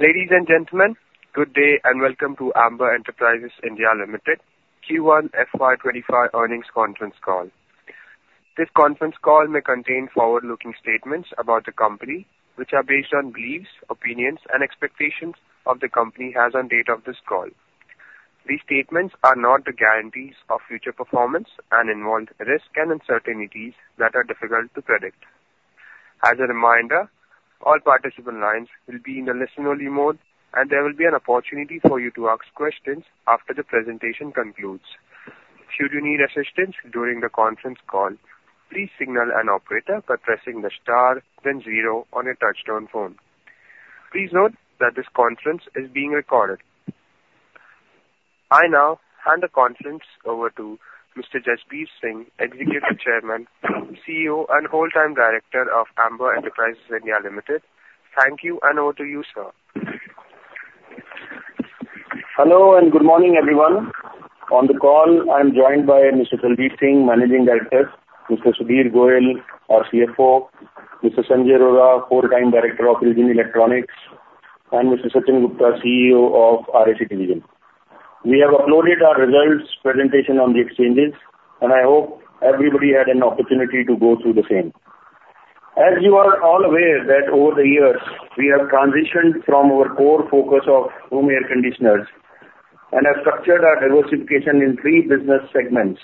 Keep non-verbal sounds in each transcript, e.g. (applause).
Ladies and gentlemen, good day and welcome to Amber Enterprises India Limited Q1 FY 2025 earnings conference call. This conference call may contain forward-looking statements about the company, which are based on beliefs, opinions, and expectations the company has on the date of this call. These statements are not the guarantees of future performance and involve risks and uncertainties that are difficult to predict. As a reminder, all participant lines will be in a listen-only mode, and there will be an opportunity for you to ask questions after the presentation concludes. Should you need assistance during the conference call, please signal an operator by pressing the star, then zero on your touchtone phone. Please note that this conference is being recorded. I now hand the conference over to Mr. Jasbir Singh, Executive Chairman, CEO, and Whole-time Director of Amber Enterprises India Limited. Thank you, and over to you, sir. Hello and good morning, everyone. On the call, I'm joined by Mr. Daljit Singh, Managing Director, Mr. Sudhir Goyal, our CFO, Mr. Sanjay Kumar Arora, Whole-time Director of IL JIN Electronics, and Mr. Sachin Gupta, CEO of CAC & RAC Division. We have uploaded our results presentation on the exchanges, and I hope everybody had an opportunity to go through the same. As you are all aware that over the years, we have transitioned from our core focus of room air conditioners and have structured our diversification in three business segments,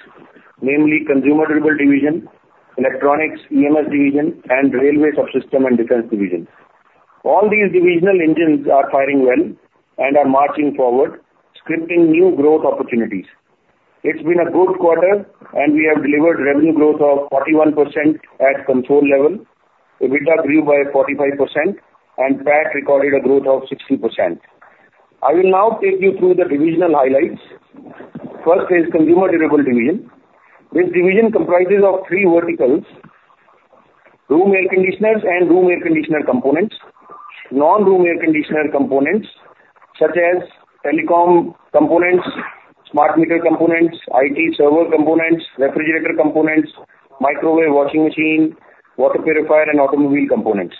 namely Consumer Durable Division, Electronics, EMS Division, and Railway Sub-system and Defense Division. All these divisional engines are firing well and are marching forward, scripting new growth opportunities. It's been a good quarter, and we have delivered revenue growth of 41% at consolidated level, EBITDA grew by 45%, and PAC recorded a growth of 60%. I will now take you through the divisional highlights. First is Consumer Durable Division. This division comprises of three verticals: room air conditioners and room air conditioner components, non-room air conditioner components such as telecom components, smart meter components, IT server components, refrigerator components, microwave washing machine, water purifier, and automobile components.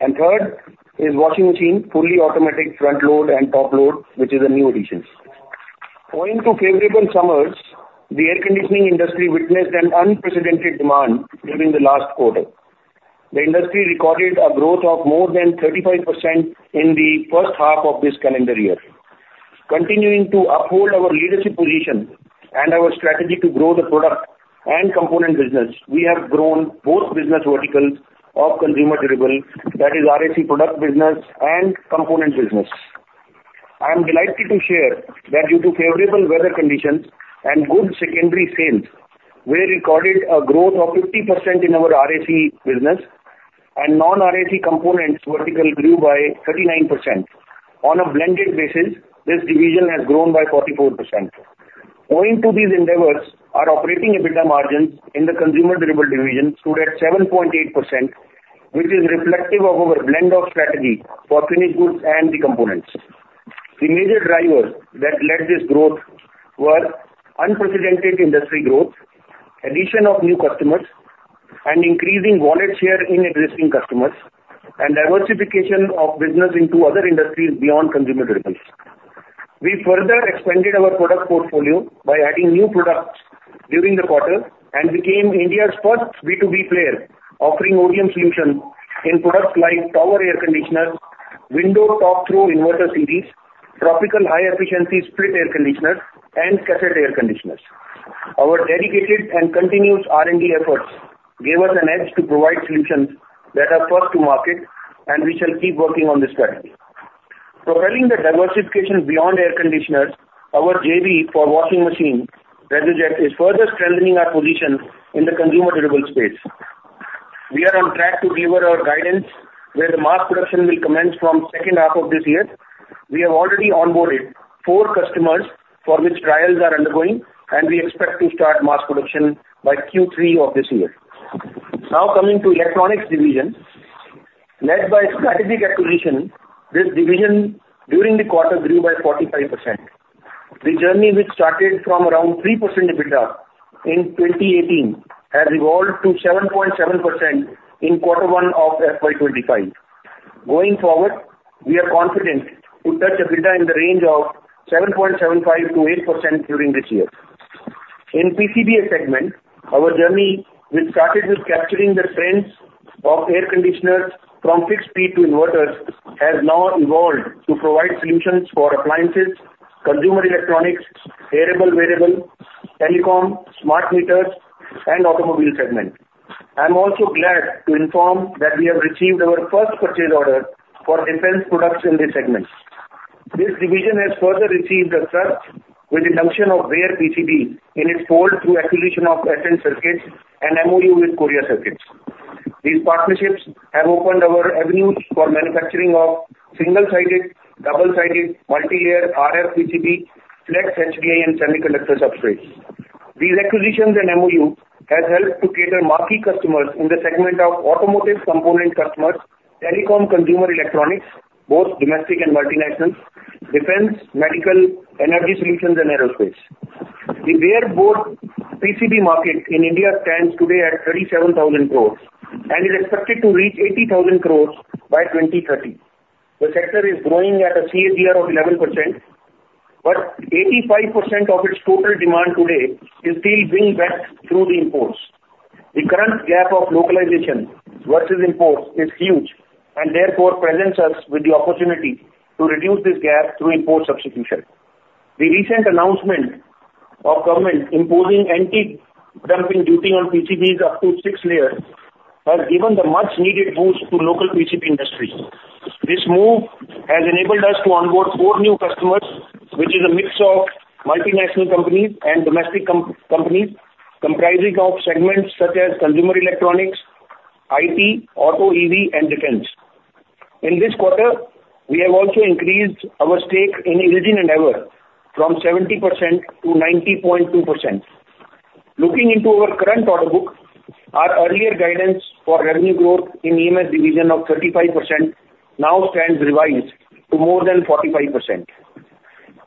Third is washing machine, fully automatic front load and top load, which is a new addition. Owing to favorable summers, the air conditioning industry witnessed an unprecedented demand during the last quarter. The industry recorded a growth of more than 35% in the first half of this calendar year. Continuing to uphold our leadership position and our strategy to grow the product and component business, we have grown both business verticals of consumer durable, that is, RAC product business and component business. I am delighted to share that due to favorable weather conditions and good secondary sales, we recorded a growth of 50% in our RAC business, and non-RAC components vertical grew by 39%. On a blended basis, this division has grown by 44%. Owing to these endeavors, our operating EBITDA margins in the consumer durables division stood at 7.8%, which is reflective of our blend of strategy for finished goods and the components. The major drivers that led this growth were unprecedented industry growth, addition of new customers, and increasing wallet share in existing customers, and diversification of business into other industries beyond consumer durables. We further expanded our product portfolio by adding new products during the quarter and became India's first B2B player, offering ODM solutions in Tower Air Conditioners, Window Top-Throw Inverter Series, Tropical High-Efficiency Split Air Conditioners, and Cassette Air Conditioners. Our dedicated and continuous R&D efforts gave us an edge to provide solutions that are first to market, and we shall keep working on this strategy. Propelling the diversification beyond air conditioners, our JV for washing machine, Resojet, is further strengthening our position in the consumer durable space. We are on track to deliver our guidance, where the mass production will commence from the second half of this year. We have already onboarded four customers for which trials are undergoing, and we expect to start mass production by Q3 of this year. Now coming to electronics division, led by strategic acquisition, this division during the quarter grew by 45%. The journey, which started from around 3% EBITDA in 2018, has evolved to 7.7% in quarter one of FY 2025. Going forward, we are confident to touch EBITDA in the range of 7.75%-8% during this year. In PCBA segment, our journey, which started with capturing the trends of air conditioners from fixed speed to inverters, has now evolved to provide solutions for appliances, consumer electronics, hearable wearable, telecom, smart meters, and automobile segment. I'm also glad to inform that we have received our first purchase order for defense products in this segment. This division has further received a surge with the junction of bare PCB in its fold through acquisition of Ascent Circuits and MOU with Korea Circuit. These partnerships have opened our avenues for manufacturing of single-sided, double-sided, multi-layer RF PCB, flex HDI, and semiconductor substrates. These acquisitions and MOUs have helped to cater marquee customers in the segment of automotive component customers, telecom consumer electronics, both domestic and multinationals, defense, medical, energy solutions, and aerospace. The bare board PCB market in India stands today at 37,000 crore and is expected to reach 80,000 crore by 2030. The sector is growing at a CAGR of 11%, but 85% of its total demand today is still being backed through the imports. The current gap of localization versus imports is huge and therefore presents us with the opportunity to reduce this gap through import substitution. The recent announcement of government imposing anti-dumping duty on PCBs up to six layers has given the much-needed boost to local PCB industry. This move has enabled us to onboard four new customers, which is a mix of multinational companies and domestic companies, comprising of segments such as consumer electronics, IT, auto, EV, and defense. In this quarter, we have also increased our stake in IL JIN and Ever from 70%-90.2%. Looking into our current order book, our earlier guidance for revenue growth in EMS division of 35% now stands revised to more than 45%.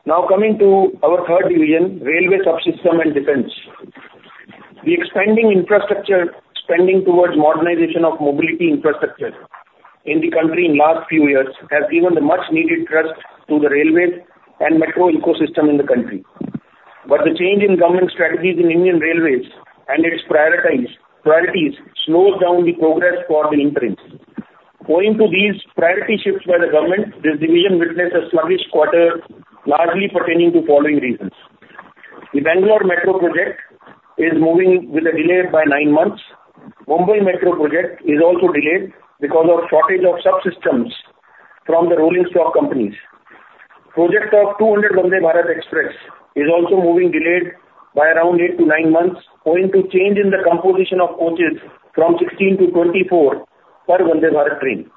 Now coming to our third division, Railway Sub-system and Defense. The expanding infrastructure spending towards modernization of mobility infrastructure in the country in the last few years has given the much-needed trust to the railways and metro ecosystem in the country. But the change in government strategies in Indian railways and its priorities slows down the progress for the entrants. Owing to these priority shifts by the government, this division witnessed a sluggish quarter, largely pertaining to the following reasons. The Bangalore Metro Project is moving with a delay by nine months. Mumbai Metro Project is also delayed because of the shortage of subsystems from the rolling stock companies. The project of 200 Vande Bharat Express is also moving delayed by around 8-9 months, owing to a change in the composition of coaches from 16-24 per Vande Bharat train.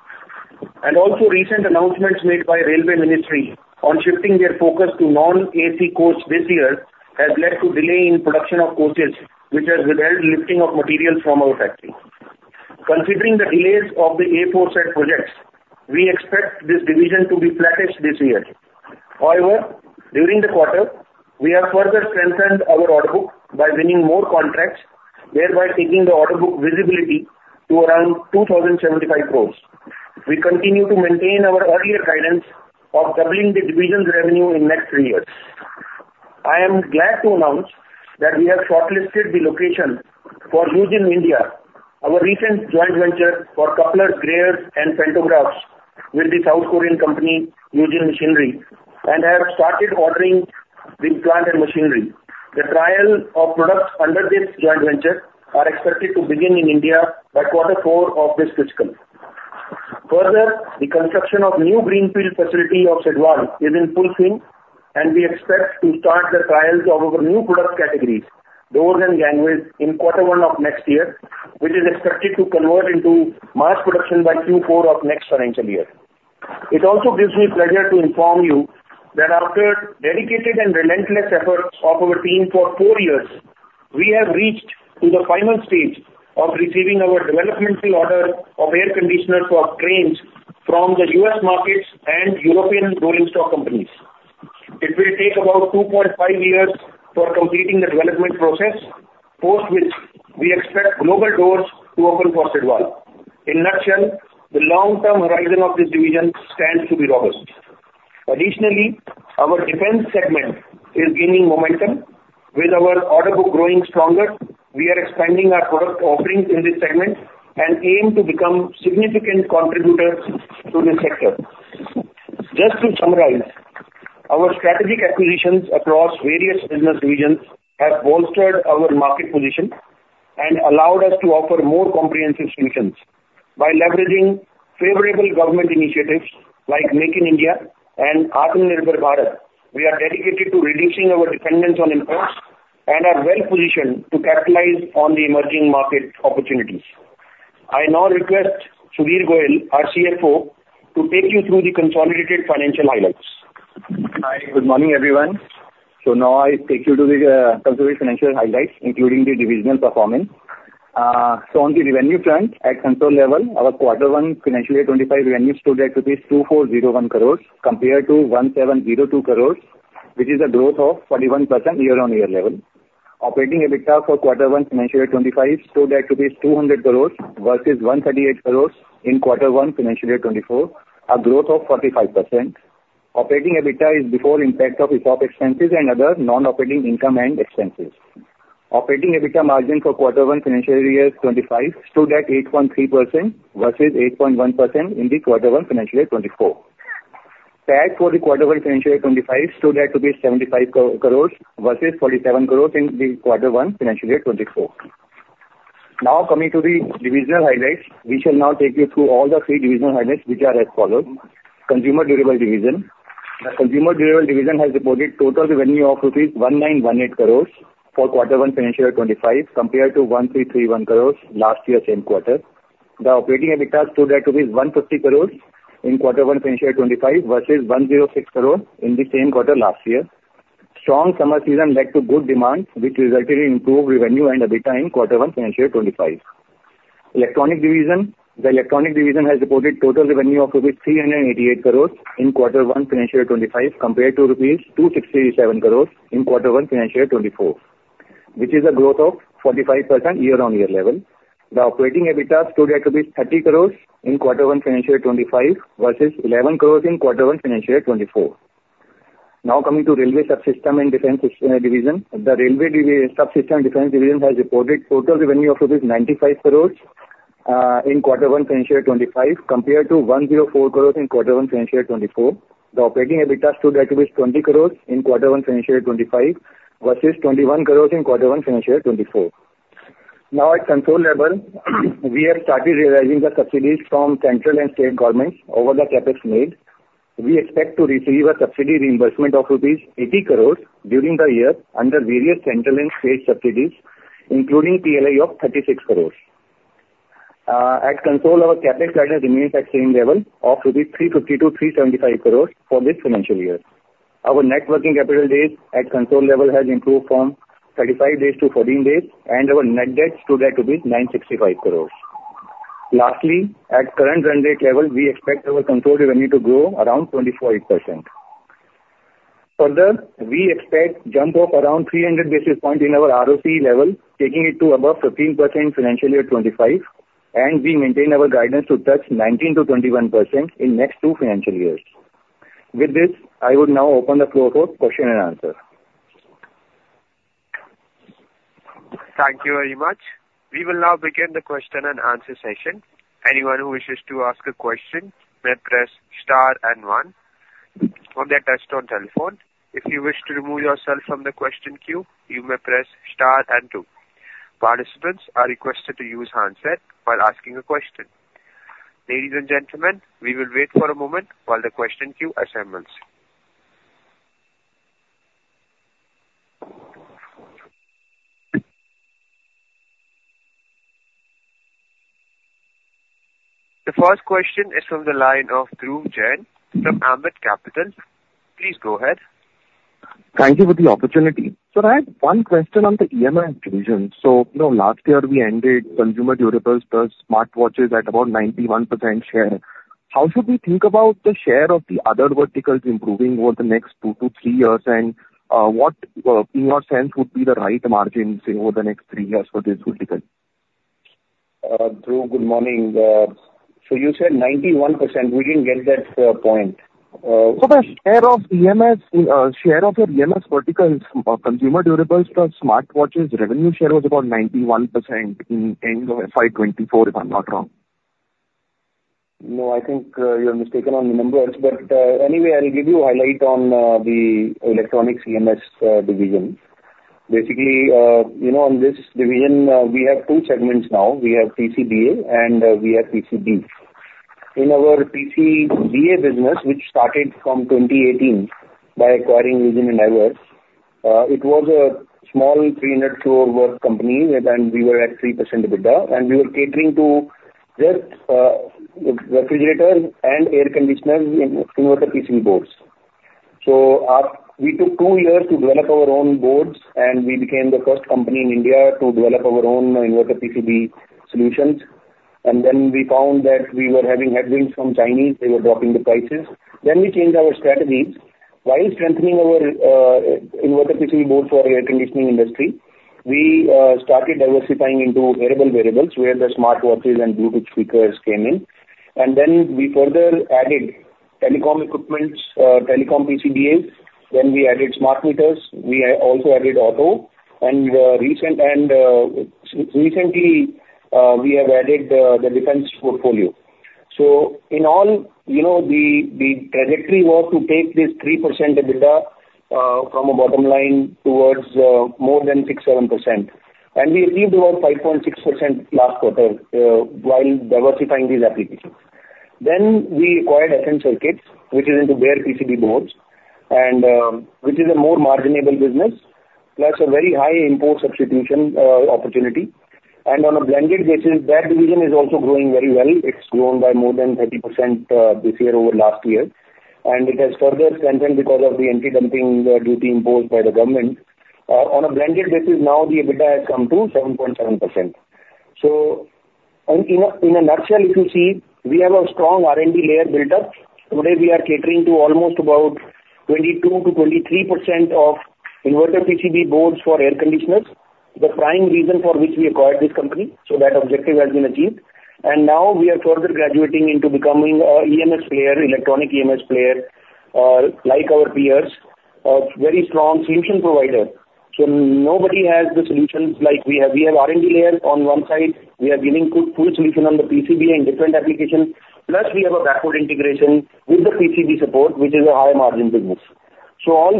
Also, recent announcements made by the Railway Ministry on shifting their focus to non-AC coaches this year have led to a delay in the production of coaches, which has withheld the lifting of materials from our factory. Considering the delays of the aforesaid projects, we expect this division to be flattish this year. However, during the quarter, we have further strengthened our order book by winning more contracts, thereby taking the order book visibility to around 2,075 crore. We continue to maintain our earlier guidance of doubling the division's revenue in the next three years. I am glad to announce that we have shortlisted the location for Yujin India, our recent joint venture for couplers, gears, and pantographs with the South Korean company Yujin Machinery, and have started ordering the plant and machinery. The trials of products under this joint venture are expected to begin in India by quarter four of this fiscal. Further, the construction of the new greenfield facility of Sidwal is in full swing, and we expect to start the trials of our new product categories, doors and gangways, in quarter one of next year, which is expected to convert into mass production by Q4 of next financial year. It also gives me pleasure to inform you that after dedicated and relentless efforts of our team for 4 years, we have reached the final stage of receiving our developmental order of air conditioners for trains from the U.S. markets and European rolling stock companies. It will take about 2.5 years for completing the development process, post which we expect global doors to open for Sidwal. In a nutshell, the long-term horizon of this division stands to be robust. Additionally, our defense segment is gaining momentum. With our order book growing stronger, we are expanding our product offerings in this segment and aim to become significant contributors to this sector. Just to summarize, our strategic acquisitions across various business divisions have bolstered our market position and allowed us to offer more comprehensive solutions. By leveraging favorable government initiatives like Make in India and Atmanirbhar Bharat, we are dedicated to reducing our dependence on imports and are well-positioned to capitalize on the emerging market opportunities. I now request Sudhir Goyal, our CFO, to take you through the consolidated financial highlights. Hi, good morning, everyone. So now I'll take you to the consolidated financial highlights, including the divisional performance. So on the revenue front, at consolidated level, our quarter one financial year 2025 revenue stood at 2,401 crores compared to 1,702 crores, which is a growth of 41% year-on-year level. Operating EBITDA for quarter one financial year 2025 stood at 200 crores versus 138 crores in quarter one financial year 2024, a growth of 45%. Operating EBITDA is before the impact of ESOP expenses and other non-operating income and expenses. Operating EBITDA margin for quarter one financial year 2025 stood at 8.3% versus 8.1% in the quarter one financial year 2024. PAT for the quarter one financial year 2025 stood at 75 crores versus 47 crores in the quarter one financial year 2024. Now coming to the divisional highlights, we shall now take you through all the three divisional highlights, which are as follows: Consumer Durable Division. The Consumer Durable Division has reported total revenue of rupees 1,918 crores for quarter one financial year 2025 compared to 1,331 crores last year's same quarter. The operating EBITDA stood at rupees 150 crores in quarter one financial year 2025 versus 106 crores in the same quarter last year. Strong summer season led to good demand, which resulted in improved revenue and EBITDA in quarter one financial year 2025. Electronic Division. The Electronic Division has reported total revenue of INR 388 crores in quarter one financial year 2025 compared to INR 267 crores in quarter one financial year 2024, which is a growth of 45% year-on-year level. The operating EBITDA stood at rupees 30 crores in quarter one financial year 2025 versus 11 crores in quarter one financial year 2024. Now coming to Railway Sub-system and Defense Division. The Railway Sub-system and Defense Division has reported total revenue of rupees 95 crores in quarter one financial year 2025 compared to 104 crores in quarter one financial year 2024. The operating EBITDA stood at rupees 20 crores in quarter one financial year 2025 versus 21 crores in quarter one financial year 2024. Now at consolidated level, we have started realizing the subsidies from central and state governments over the CAPEX made. We expect to receive a subsidy reimbursement of rupees 80 crores during the year under various central and state subsidies, including PLI of 36 crores. At consolidated, our CAPEX remain at the same level of 350 crores-375 crores rupees for this financial year. Our net working capital days at consolidated level have improved from 35 days-14 days, and our net debt stood at 965 crores. Lastly, at current run rate level, we expect our controlled revenue to grow around 25%. Further, we expect a jump of around 300 basis points in our ROCE level, taking it to above 15% financial year 2025, and we maintain our guidance to touch 19%-21% in the next two financial years. With this, I would now open the floor for question and answer. Thank you very much. We will now begin the question and answer session. Anyone who wishes to ask a question may press star and one on their touch-tone telephone. If you wish to remove yourself from the question queue, you may press star and two. Participants are requested to use handset while asking a question. Ladies and gentlemen, we will wait for a moment while the question queue assembles. The first question is from the line of Dhruv Jain from Ambit Capital. Please go ahead. Thank you for the opportunity. Sir, I have one question on the EMS division. So last year, we ended consumer durables plus smartwatches at about 91% share. How should we think about the share of the other verticals improving over the next 2-3 years, and what, in your sense, would be the right margin over the next three years for this vertical? Dhruv, good morning. So you said 91%. We didn't get that point. The share of EMS verticals, consumer durables plus smartwatches, revenue share was about 91% in end of FY 2024, if I'm not wrong. No, I think you're mistaken on the numbers. But anyway, I'll give you a highlight on the electronics EMS division. Basically, on this division, we have two segments now. We have PCBA and we have PCB. In our PCBA business, which started from 2018 by acquiring IL JIN and Ever, it was a small 300 crore worth company where we were at 3% EBITDA, and we were catering to just refrigerators and air conditioners in inverter PCB boards. So we took two years to develop our own boards, and we became the first company in India to develop our own inverter PCB solutions. And then we found that we were having headwinds from Chinese. They were dropping the prices. Then we changed our strategies. While strengthening our inverter PCB boards for the air conditioning industry, we started diversifying into wearable verticals where the smartwatches and Bluetooth speakers came in. Then we further added telecom equipment, telecom PCBAs. Then we added smart meters. We also added auto. And recently, we have added the defense portfolio. So in all, the trajectory was to take this 3% EBITDA from a bottom line towards more than 6%, 7%. And we achieved about 5.6% last quarter while diversifying these applications. Then we acquired Ascent Circuits, which is into bare PCB boards, which is a more marginable business, plus a very high import substitution opportunity. And on a blended basis, that division is also growing very well. It's grown by more than 30% this year over last year. And it has further strengthened because of the anti-dumping duty imposed by the government. On a blended basis, now the EBITDA has come to 7.7%. So in a nutshell, if you see, we have a strong R&D layer built up. Today, we are catering to almost about 22%-23% of inverter PCB boards for air conditioners. The prime reason for which we acquired this company. So that objective has been achieved. And now we are further graduating into becoming an EMS player, electronic EMS player, like our peers, a very strong solution provider. So nobody has the solutions like we have. We have R&D layer on one side. We are giving full solution on the PCB in different applications. Plus, we have a backward integration with the PCB support, which is a high-margin business. So all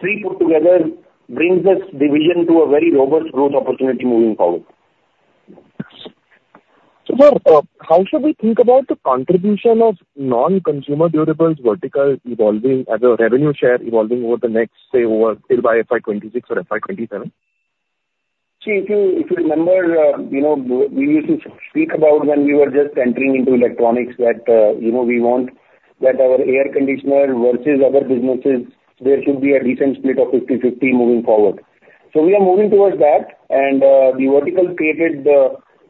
three put together brings this division to a very robust growth opportunity moving forward. Sir, how should we think about the contribution of non-consumer durables vertical evolving as a revenue share evolving over the next, say, by FY 2026 or FY 2027? See, if you remember, we used to speak about when we were just entering into electronics that we want our air conditioner versus other businesses, there should be a decent split of 50/50 moving forward. So we are moving towards that. And the vertical created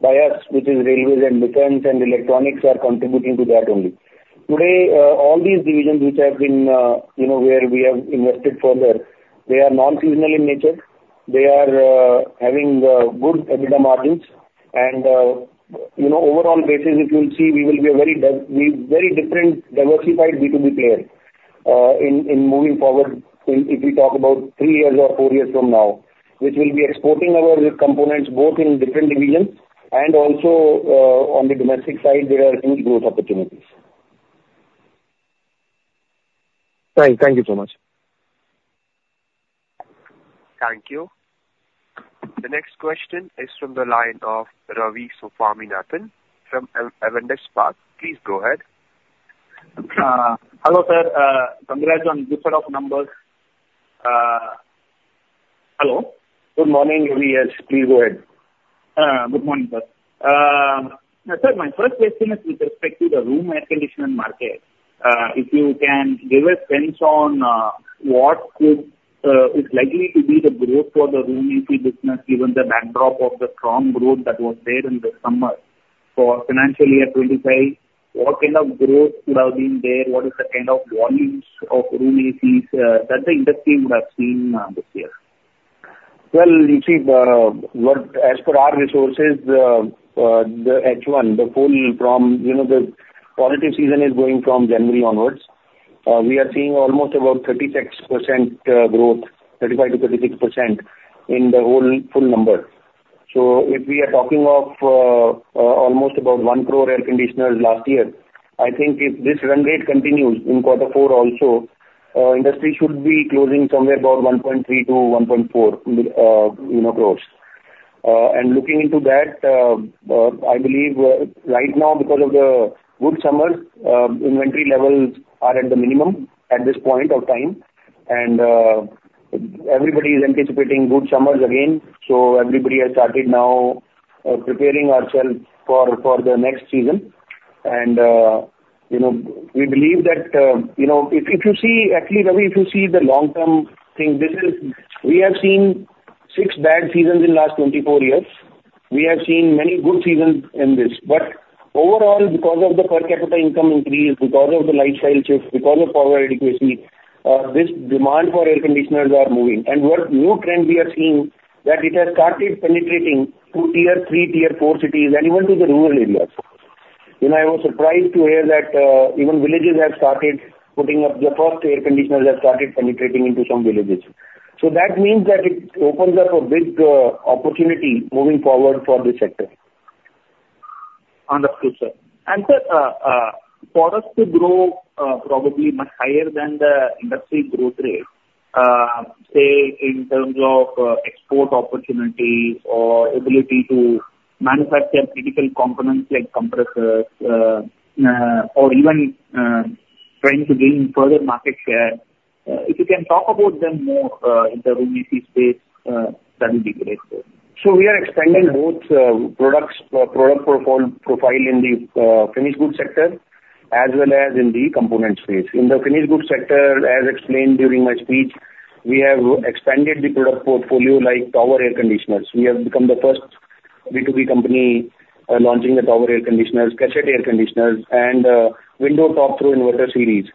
by us, which is railways and defense and electronics, are contributing to that only. Today, all these divisions which have been where we have invested further, they are non-seasonal in nature. They are having good EBITDA margins. And overall basis, if you'll see, we will be a very different diversified B2B player in moving forward if we talk about three years or four years from now, which will be exporting our components both in different divisions and also on the domestic side, there are huge growth opportunities. Thank you so much. Thank you. The next question is from the line of Ravi Swaminathan from Avendus Spark. Please go ahead. Hello sir. Congrats on this set of numbers. Hello. Good morning, (audio distortion) Please go ahead. Good morning, sir. Sir, my first question is with respect to the room air conditioner market. If you can give a sense on what is likely to be the growth for the room AC business, given the backdrop of the strong growth that was there in the summer for financial year 2025, what kind of growth would have been there? What is the kind of volumes of room ACs that the industry would have seen this year? Well, you see, as per our resources, the H1, the full from the quarter season is going from January onwards. We are seeing almost about 36% growth, 35%-36% in the whole full number. So if we are talking of almost about one crore air conditioners last year, I think if this run rate continues in quarter four also, industry should be closing somewhere about 1.3 crores-1.4 crores. And looking into that, I believe right now, because of the good summers, inventory levels are at the minimum at this point of time. And everybody is anticipating good summers again. So everybody has started now preparing ourselves for the next season. And we believe that if you see, actually, Ravi, if you see the long-term thing, this is we have seen six bad seasons in the last 24 years. We have seen many good seasons in this. Overall, because of the per capita income increase, because of the lifestyle shift, because of power adequacy, this demand for air conditioners is moving. What new trend we have seen is that it has started penetrating to tier three, tier four cities, and even to the rural areas. I was surprised to hear that even villages have started putting up the first air conditioners that started penetrating into some villages. That means that it opens up a big opportunity moving forward for this sector. Understood, sir. And sir, for us to grow probably much higher than the industry growth rate, say, in terms of export opportunities or ability to manufacture critical components like compressors or even trying to gain further market share, if you can talk about them more in the room AC space, that would be great. So we are expanding both product profile in the finished goods sector as well as in the component space. In the finished goods sector, as explained during my speech, we have expanded the product Tower Air Conditioners. We have become the first B2B company Tower Air Conditioners, Cassette Air Conditioners, and Window Top-Throw Inverter Series,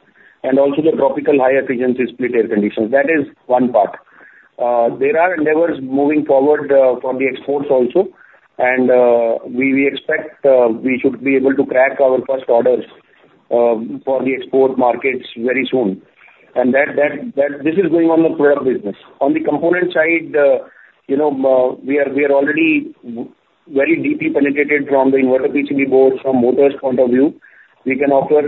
and also the Tropical High-Efficiency Split Air Conditioners. That is one part. There are endeavors moving forward for the exports also. And we expect we should be able to crack our first orders for the export markets very soon. And this is going on the product business. On the component side, we are already very deeply penetrated from the Inverter PCB Boards from a motors point of view. We can offer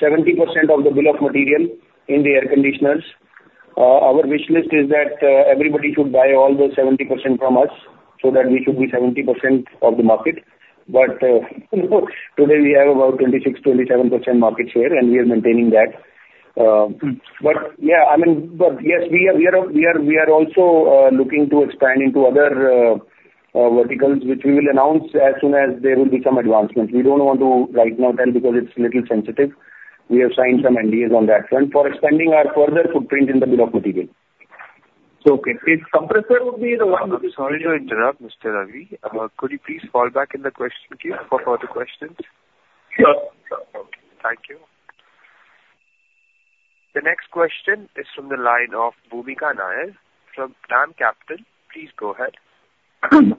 70% of the bill of material in the air conditioners. Our wish list is that everybody should buy all the 70% from us so that we should be 70% of the market. But today, we have about 26%, 27% market share, and we are maintaining that. But yeah, I mean, but yes, we are also looking to expand into other verticals, which we will announce as soon as there will be some advancement. We don't want to right now tell because it's a little sensitive. We have signed some NDAs on that front for expanding our further footprint in the bill of material. Okay. Is compressor would be the one? Sorry to interrupt, Mr. Ravi. Could you please fall back in the question queue for further questions? Sure. Thank you. The next question is from the line of Bhoomika Nair from DAM Capital. Please go ahead.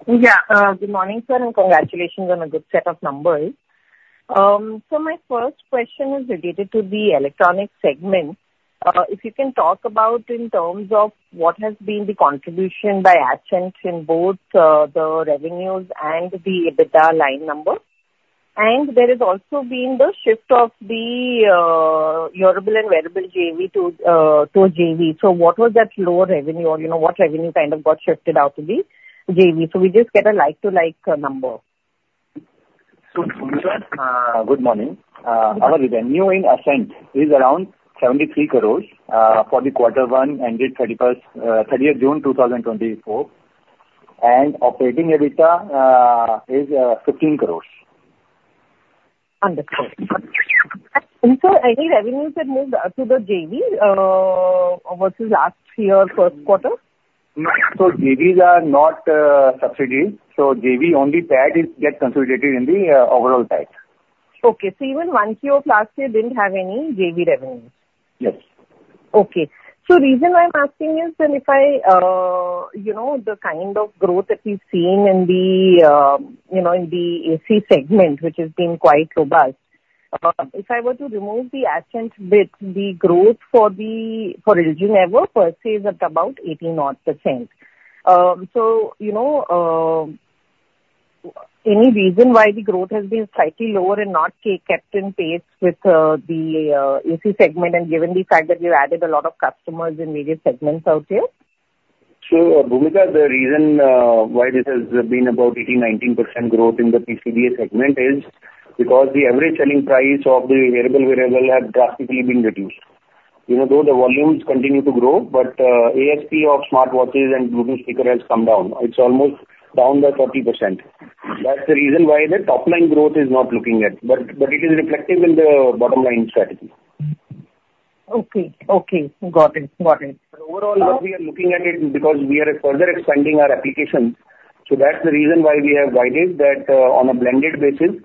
Yeah. Good morning, sir, and congratulations on a good set of numbers. So my first question is related to the electronics segment. If you can talk about in terms of what has been the contribution by Ascent in both the revenues and the EBITDA line number. And there has also been the shift of the durable and wearable JV to JV. So what was that lower revenue or what revenue kind of got shifted out to the JV? So we just get a like-to-like number. (audio distortion) Good morning. Our revenue in Ascent is around 73 crore for the quarter one ended 30th June 2024. Operating EBITDA is INR 15 crore. Understood. And sir, any revenues that moved to the JV versus last year, first quarter? No. So JVs are not subsidiaries. So JV only PAT get consilidated in the overall PAT. Okay. So even 1Q of last year didn't have any JV revenues. Yes. Okay. So the reason why I'm asking is that the kind of growth that we've seen in the AC segment, which has been quite robust, if I were to remove the Ascent bit, the growth for IL JIN and Ever per se is at about 18-odd%. So any reason why the growth has been slightly lower and not kept in pace with the AC segment and given the fact that you've added a lot of customers in various segments out there? Bhoomika, the reason why this has been about 18-19% growth in the PCBA segment is because the average selling price of the wearable variable has drastically been reduced. Though the volumes continue to grow, but ASP of smartwatches and Bluetooth speaker has come down. It's almost down by 40%. That's the reason why the top-line growth is not looking at. But it is reflective in the bottom-line strategy. Okay. Okay. Got it. Got it. Overall, we are looking at it because we are further expanding our applications. So that's the reason why we have guided that on a blended basis,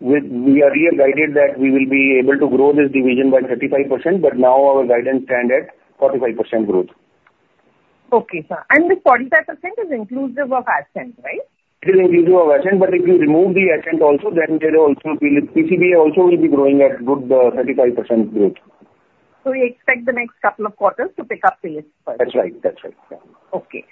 we are really guided that we will be able to grow this division by 35%, but now our guidance stands at 45% growth. Okay, sir. This 45% is inclusive of Ascent, right? It is inclusive of Ascent, but if you remove the Ascent also, then there also will be PCBA also will be growing at good 35% growth. We expect the next couple of quarters to pick up the list first. That's right. That's right. Okay.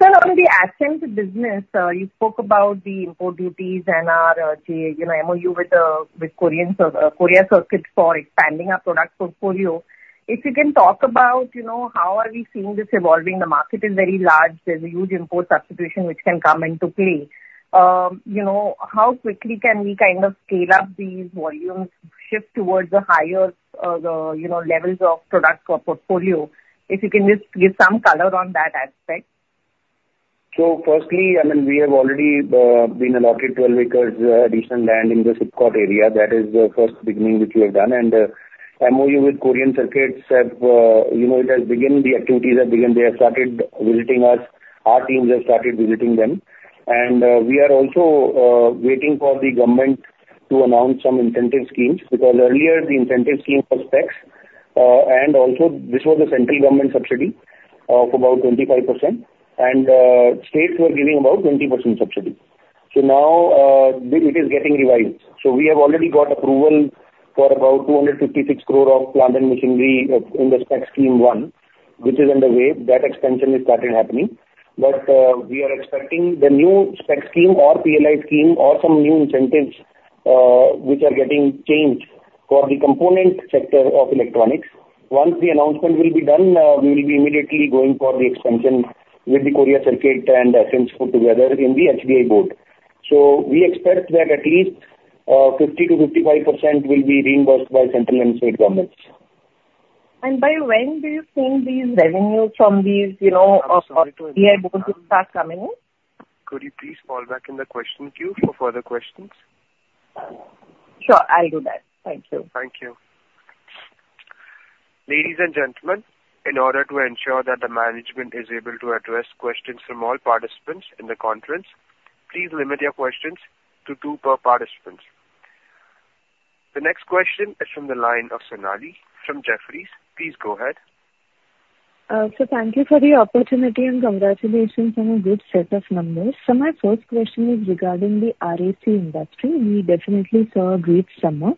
Sir, on the Ascent business, you spoke about the import duties and our MOU with Korea Circuit for expanding our product portfolio. If you can talk about how are we seeing this evolving, the market is very large. There's a huge import substitution which can come into play. How quickly can we kind of scale up these volumes, shift towards the higher levels of product portfolio if you can just give some color on that aspect? So firstly, I mean, we have already been allotted 12 acres additional land in the SIPCOT area. That is the first beginning which we have done. And MOU with Korea Circuit has begun. The activities have begun. They have started visiting us. Our teams have started visiting them. And we are also waiting for the government to announce some incentive schemes because earlier, the incentive scheme was SPECS. And also, this was a central government subsidy of about 25%. And states were giving about 20% subsidy. So now it is getting revised. So we have already got approval for about 256 crore of plant and machinery in the SPECS scheme one, which is underway. That extension is starting happening. But we are expecting the new SPECS scheme or PLI scheme or some new incentives which are getting changed for the component sector of electronics. Once the announcement will be done, we will be immediately going for the extension with the Korea Circuit and Ascent put together in the HDI board. So we expect that at least 50%-55% will be reimbursed by central and state governments. By when do you think these revenues from these HLI boards will start coming in? Could you please fall back in the question queue for further questions? Sure. I'll do that. Thank you. Thank you. Ladies and gentlemen, in order to ensure that the management is able to address questions from all participants in the conference, please limit your questions to two per participant. The next question is from the line of Sonali from Jefferies. Please go ahead. Thank you for the opportunity and congratulations on a good set of numbers. My first question is regarding the RAC industry. We definitely saw a great summer.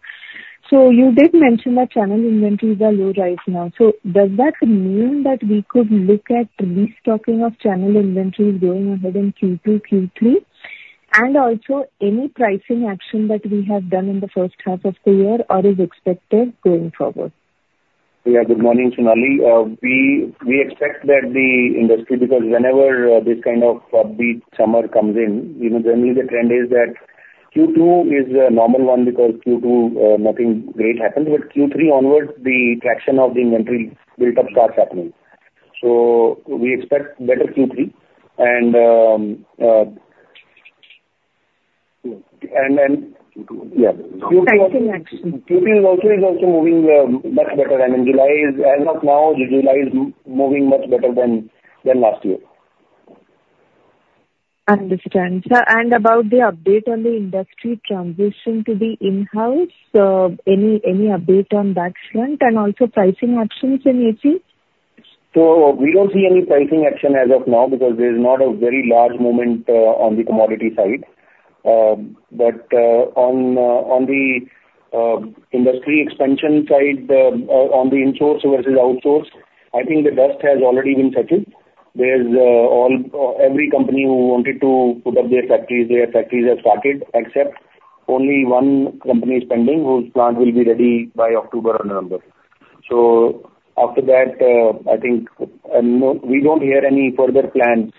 You did mention that channel inventories are low right now. Does that mean that we could look at restocking of channel inventories going ahead in Q2, Q3? And also, any pricing action that we have done in the first half of the year or is expected going forward? Yeah. Good morning, Sonali. We expect that the industry, because whenever this kind of big summer comes in, generally the trend is that Q2 is a normal one because Q2 nothing great happens. But Q3 onwards, the traction of the inventory build-up starts happening. So we expect better Q3. And then. (audio distortion) Q3 is also moving much better. In July, as of now, July is moving much better than last year. Understood. And about the update on the industry transition to the in-house, any update on that front and also pricing actions in AC? So we don't see any pricing action as of now because there's not a very large moment on the commodity side. But on the industry expansion side, on the in-source versus out-source, I think the dust has already been settled. There's every company who wanted to put up their factories, their factories have started, except only one company is pending whose plant will be ready by October or November. So after that, I think we don't hear any further plans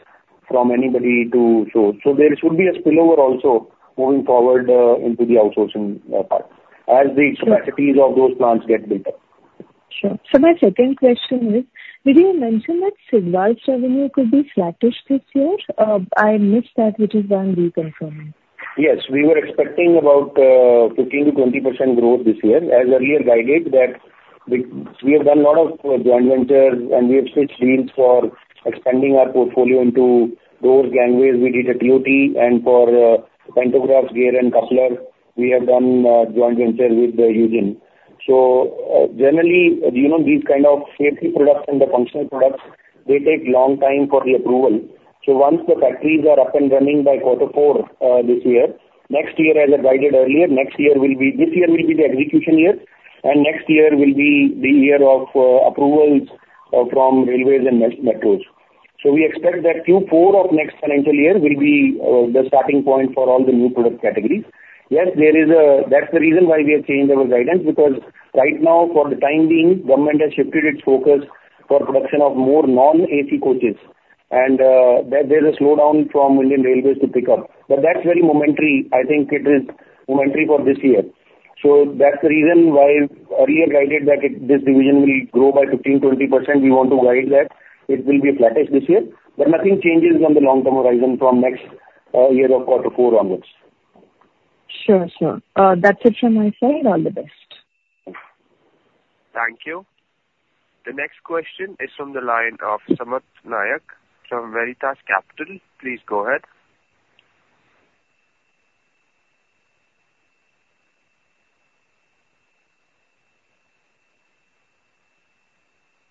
from anybody to show. So there should be a spillover also moving forward into the out-sourcing part as the capacities of those plants get built up. Sure. So my second question is, did you mention that Sidwal's revenue could be flattish this year? I missed that, which is why I'm reconfirming. Yes. We were expecting about 15%-20% growth this year. As earlier guided, we have done a lot of joint ventures, and we have switched deals for expanding our portfolio into doors, gangways. We did a TOT, and for pantographs, gear, and coupler, we have done joint ventures with the Yujin. So generally, these kind of safety products and the functional products, they take a long time for the approval. So once the factories are up and running by quarter four this year, next year, as I guided earlier, this year will be the execution year, and next year will be the year of approvals from railways and metros. So we expect that Q4 of next financial year will be the starting point for all the new product categories. Yes, that's the reason why we have changed our guidance because right now, for the time being, government has shifted its focus for production of more non-AC coaches. And there's a slowdown from Indian Railways to pick up. But that's very momentary. I think it is momentary for this year. So that's the reason why earlier guided that this division will grow by 15%-20%. We want to guide that it will be flattish this year. But nothing changes on the long-term horizon from next year of quarter four onwards. Sure. Sure. That's it from my side. All the best. Thank you. The next question is from the line of Sampath Nayak from Veritas Capital. Please go ahead.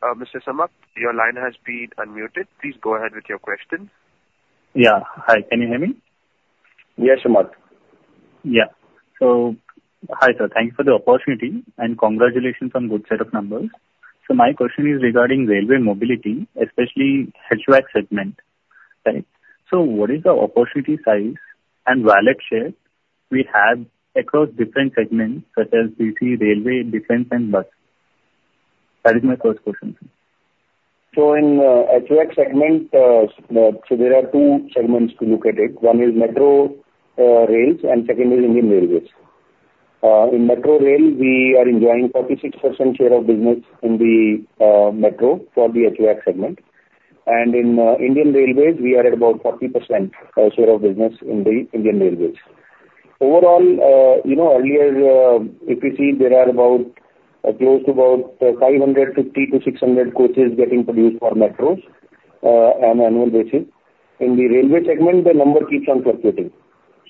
Mr. Sampath, your line has been unmuted. Please go ahead with your question. Yeah. Hi. Can you hear me? Yes, Sampath. Yeah. So hi, sir. Thank you for the opportunity and congratulations on good set of numbers. So my question is regarding railway mobility, especially HVAC segment, right? So what is the opportunity size and value share we have across different segments such as AC, railway, defense, and bus? That is my first question. So in the HVAC segment, there are two segments to look at it. One is metro rails, and second is Indian Railways. In metro rail, we are enjoying 46% share of business in the metro for the HVAC segment. In Indian Railways, we are at about 40% share of business in the Indian Railways. Overall, earlier, if you see, there are close to about 550-600 coaches getting produced for metros on an annual basis. In the railway segment, the number keeps on fluctuating.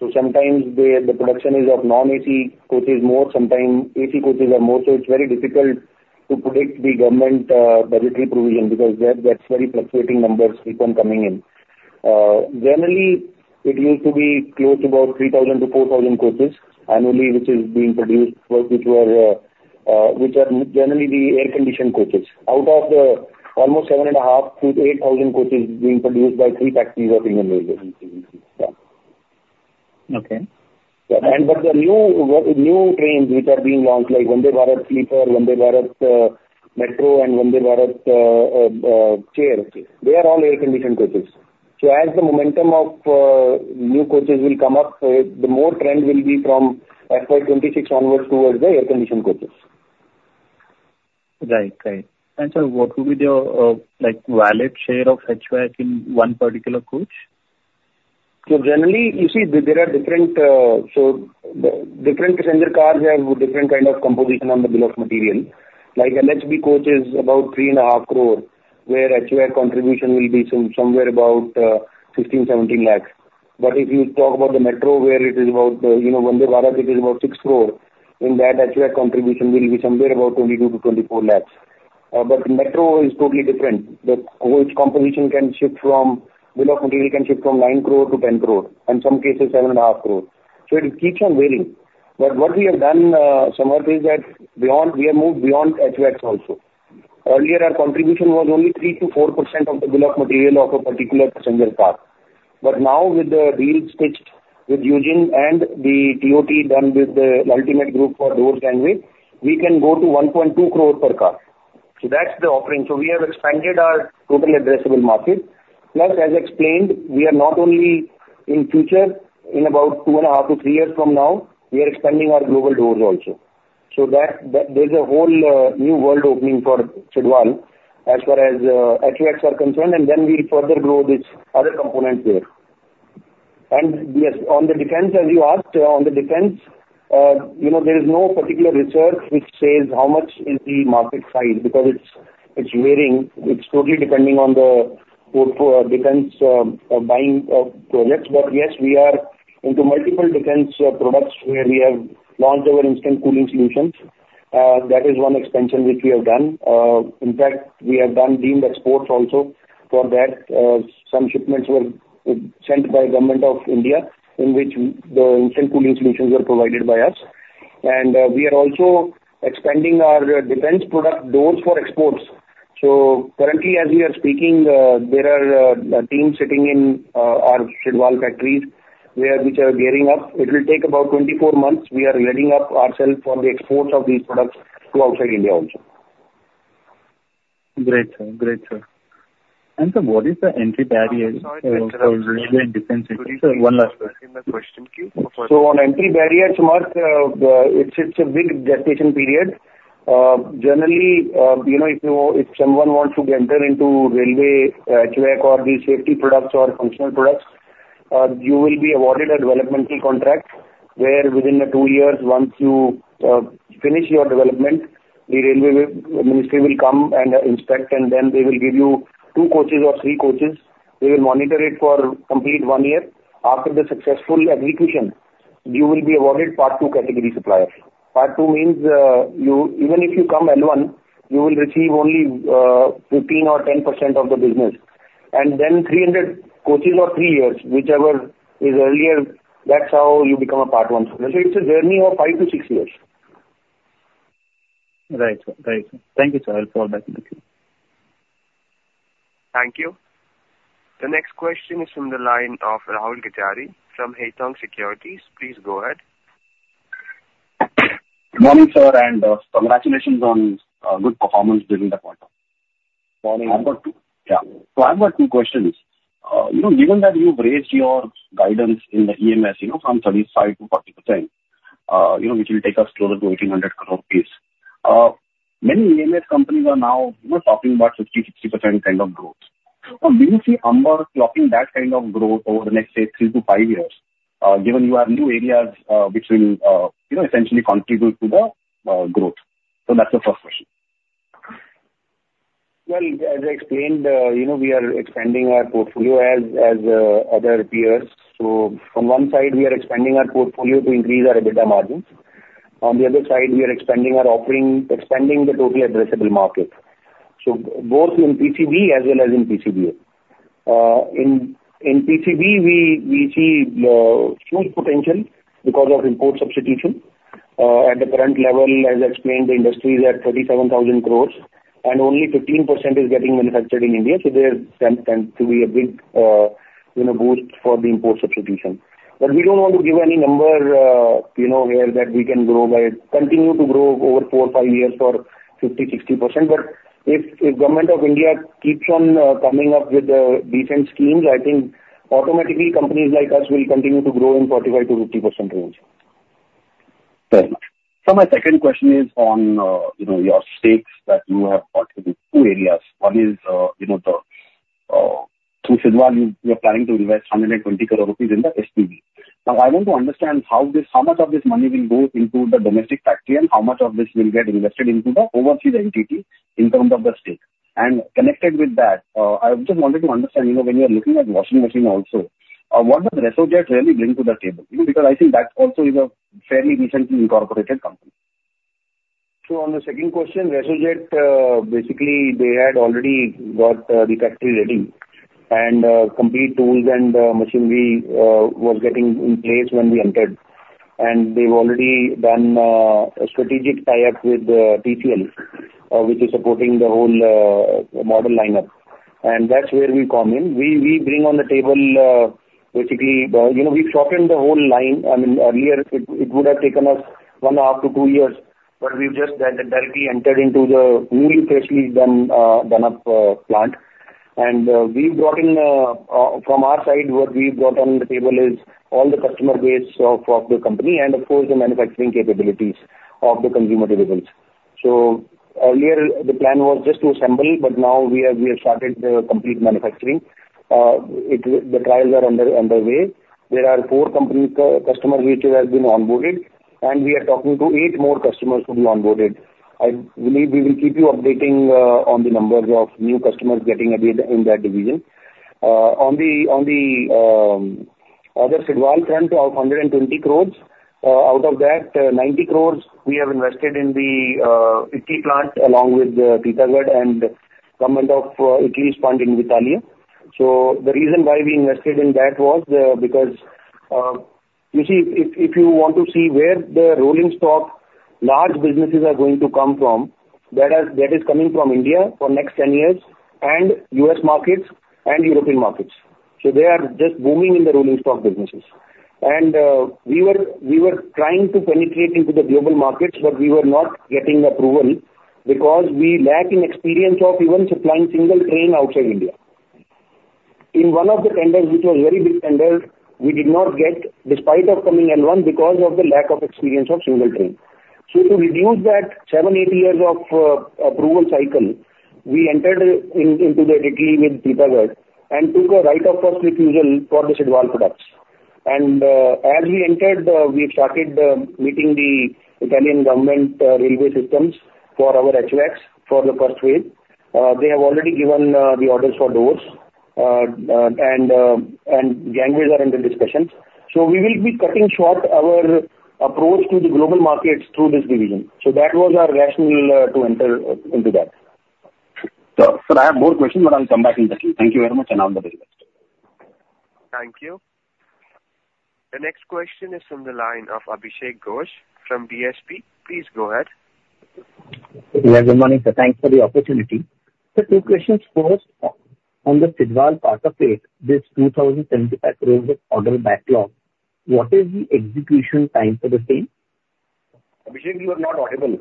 So sometimes the production is of non-AC coaches more, sometimes AC coaches are more. So it's very difficult to predict the government budgetary provision because that's very fluctuating numbers keep on coming in. Generally, it used to be close to about 3,000-4,000 coaches annually, which is being produced, which are generally the air-conditioned coaches. Out of the almost 7,500-8,000 coaches being produced by three factories of Indian Railways. Okay. But the new trains which are being launched, like Vande Bharat Sleeper, Vande Bharat Metro, and Vande Bharat Chair, they are all air-conditioned coaches. So as the momentum of new coaches will come up, the more trend will be from FY 2026 onwards towards the air-conditioned coaches. Right. Right. And sir, what would be the value share of HVAC in one particular coach? So generally, you see, there are different, so different passenger cars have different kind of composition on the bill of material. Like LHB coach is about 3.5 crore, where HVAC contribution will be somewhere about 16 lakh-17 lakh. But if you talk about the metro, where it is about Vande Bharat, it is about 6 crore. In that, HVAC contribution will be somewhere about 22 lakh-24 lakh. But metro is totally different. The coach composition can shift from bill of material from 9 crore-10 crore, and in some cases, 7.5 crore. So it keeps on varying. But what we have done, Sampath, is that we have moved beyond HVAC also. Earlier, our contribution was only 3%-4% of the bill of material of a particular passenger car. But now, with the deals stitched with Yujin and the TOT done with the ultimate group for doors and gangway, we can go to 1.2 crore per car. So that's the offering. So we have expanded our total addressable market. Plus, as explained, we are not only in future, in about 2.5-3 years from now, we are expanding our global doors also. So there's a whole new world opening for Sidwal as far as HVACs are concerned, and then we further grow this other component there. And yes, on the defense, as you asked, on the defense, there is no particular research which says how much is the market size because it's varying. It's totally depending on the defense buying projects. But yes, we are into multiple defense products where we have launched our instant cooling solutions. That is one expansion which we have done. In fact, we have done deemed exports also for that. Some shipments were sent by Government of India in which the instant cooling solutions were provided by us. We are also expanding our defense product doors for exports. Currently, as we are speaking, there are teams sitting in our Sidwal factories which are gearing up. It will take about 24 months. We are readying up ourselves for the exports of these products to outside India also. Great. Great, sir. And sir, what is the entry barrier for railway and defense? Sorry. One last question. In the question queue for. So on entry barrier, Sampath, it's a big gestation period. Generally, if someone wants to enter into railway HVAC or the safety products or functional products, you will be awarded a developmental contract where, within the two years, once you finish your development, the railway ministry will come and inspect, and then they will give you two coaches or three coaches. They will monitor it for complete one year. After the successful execution, you will be awarded part two category supplier. Part two means even if you come L1, you will receive only 15% or 10% of the business. And then 300 coaches or three years, whichever is earlier, that's how you become a part one. So it's a journey of 5-6 years. Right. Right. Thank you, sir. I'll fall back in the queue. Thank you. The next question is from the line of Rahul Gajare from Haitong Securities. Please go ahead. Good morning, sir. Congratulations on good performance during the quarter. Morning. I've got two. Yeah. I've got two questions. Given that you've raised your guidance in the EMS from 35%-40%, which will take us closer to 1,800 crore rupees, many EMS companies are now talking about 50%, 60% kind of growth. Do you see Amber clocking that kind of growth over the next, say, three to five years, given you have new areas which will essentially contribute to the growth? That's the first question. Well, as I explained, we are expanding our portfolio as other peers. So from one side, we are expanding our portfolio to increase our EBITDA margins. On the other side, we are expanding our offering, expanding the total addressable market. So both in PCB as well as in PCBA. In PCB, we see huge potential because of import substitution. At the current level, as I explained, the industry is at 37,000 crore, and only 15% is getting manufactured in India. So there tends to be a big boost for the import substitution. But we don't want to give any number here that we can grow by continue to grow over four or five years for 50%, 60%. But if Government of India keeps on coming up with the decent schemes, I think automatically companies like us will continue to grow in 45%-50% range. Right. So my second question is on your stakes that you have got in two areas. One is through Sidwal, you are planning to invest 120 crore rupees in the SPV. Now, I want to understand how much of this money will go into the domestic factory and how much of this will get invested into the overseas entity in terms of the stake. And connected with that, I just wanted to understand when you are looking at washing machine also, what does Resojet really bring to the table? Because I think that also is a fairly recently incorporated company. So on the second question, Resojet, basically, they had already got the factory ready and complete tools and machinery was getting in place when we entered. And they've already done a strategic tie-up with TCL, which is supporting the whole model lineup. And that's where we come in. We bring on the table, basically, we've shot in the whole line. I mean, earlier, it would have taken us 1.5-2 years, but we've just entered into the newly freshly done-up plant. And from our side, what we've brought on the table is all the customer base of the company and, of course, the manufacturing capabilities of the consumer durables. So earlier, the plan was just to assemble, but now we have started the complete manufacturing. The trials are underway. There are four customers which have been onboarded, and we are talking to eight more customers to be onboarded. I believe we will keep you updating on the numbers of new customers getting added in that division. On the other Sidwal front of 120 crore, out of that, 90 crore, we have invested in the Italy plant along with Titagarh and Government of Italy's fund in Italy. So the reason why we invested in that was because, you see, if you want to see where the rolling stock, large businesses are going to come from, that is coming from India for next 10 years and U.S. markets and European markets. So they are just booming in the rolling stock businesses. And we were trying to penetrate into the global markets, but we were not getting approval because we lack in experience of even supplying single train outside India. In one of the tenders, which was a very big tender, we did not get, despite coming L1, because of the lack of experience of single train. So to reduce that 7-8 years of approval cycle, we entered into the JV with Titagarh and took a right of first refusal for the Sidwal products. As we entered, we started meeting the Italian government railway systems for our HVACs for the first wave. They have already given the orders for doors, and gangways are under discussion. So we will be cutting short our approach to the global markets through this division. So that was our rationale to enter into that. Sir, I have more questions, but I'll come back in the queue. Thank you very much, and I'll be the next. Thank you. The next question is from the line of Abhishek Ghosh from DSP. Please go ahead. Yeah. Good morning, sir. Thanks for the opportunity. Sir, two questions first. On the Sidwal part of it, this 2,075 crore of order backlog, what is the execution time for the same? Abhishek, you are not audible.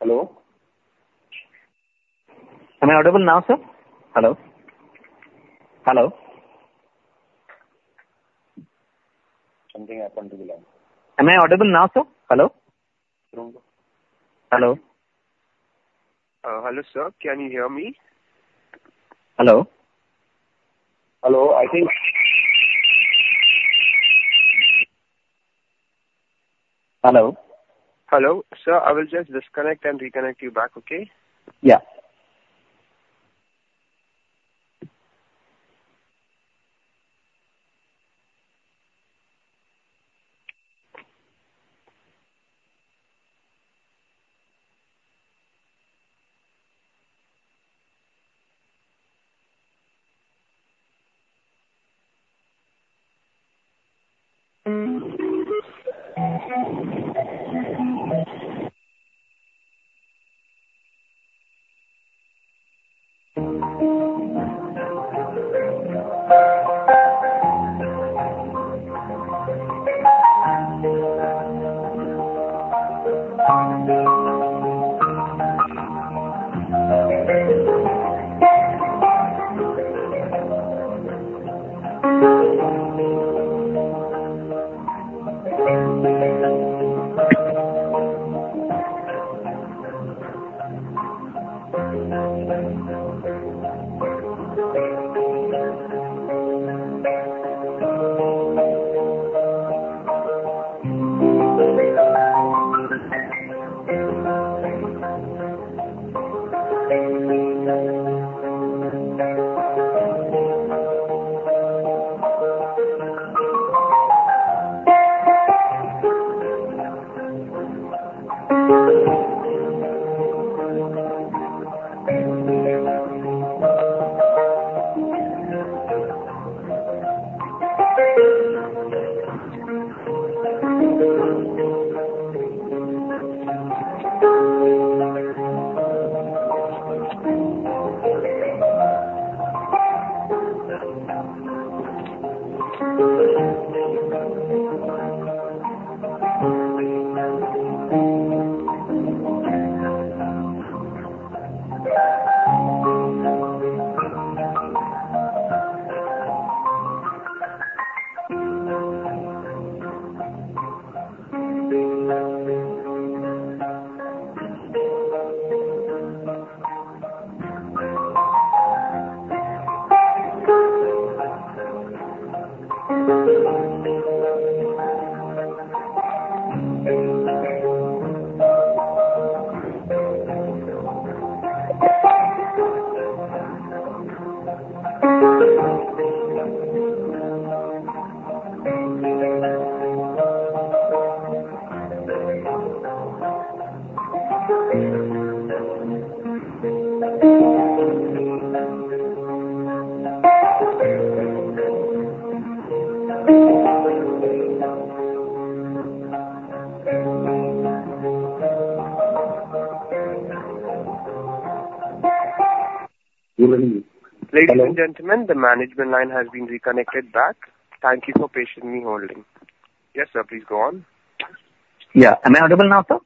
Hello? Am I audible now, sir? Hello? Hello? Something happened to the line. Am I audible now, sir? Hello? Hello? Hello, sir. Can you hear me? Hello? Hello. I think. Hello? Hello. Sir, I will just disconnect and reconnect you back, okay? Yeah. Ladies and gentlemen, the management line has been reconnected back. Thank you for patiently holding. Yes, sir, please go on. Yeah. Am I audible now, sir?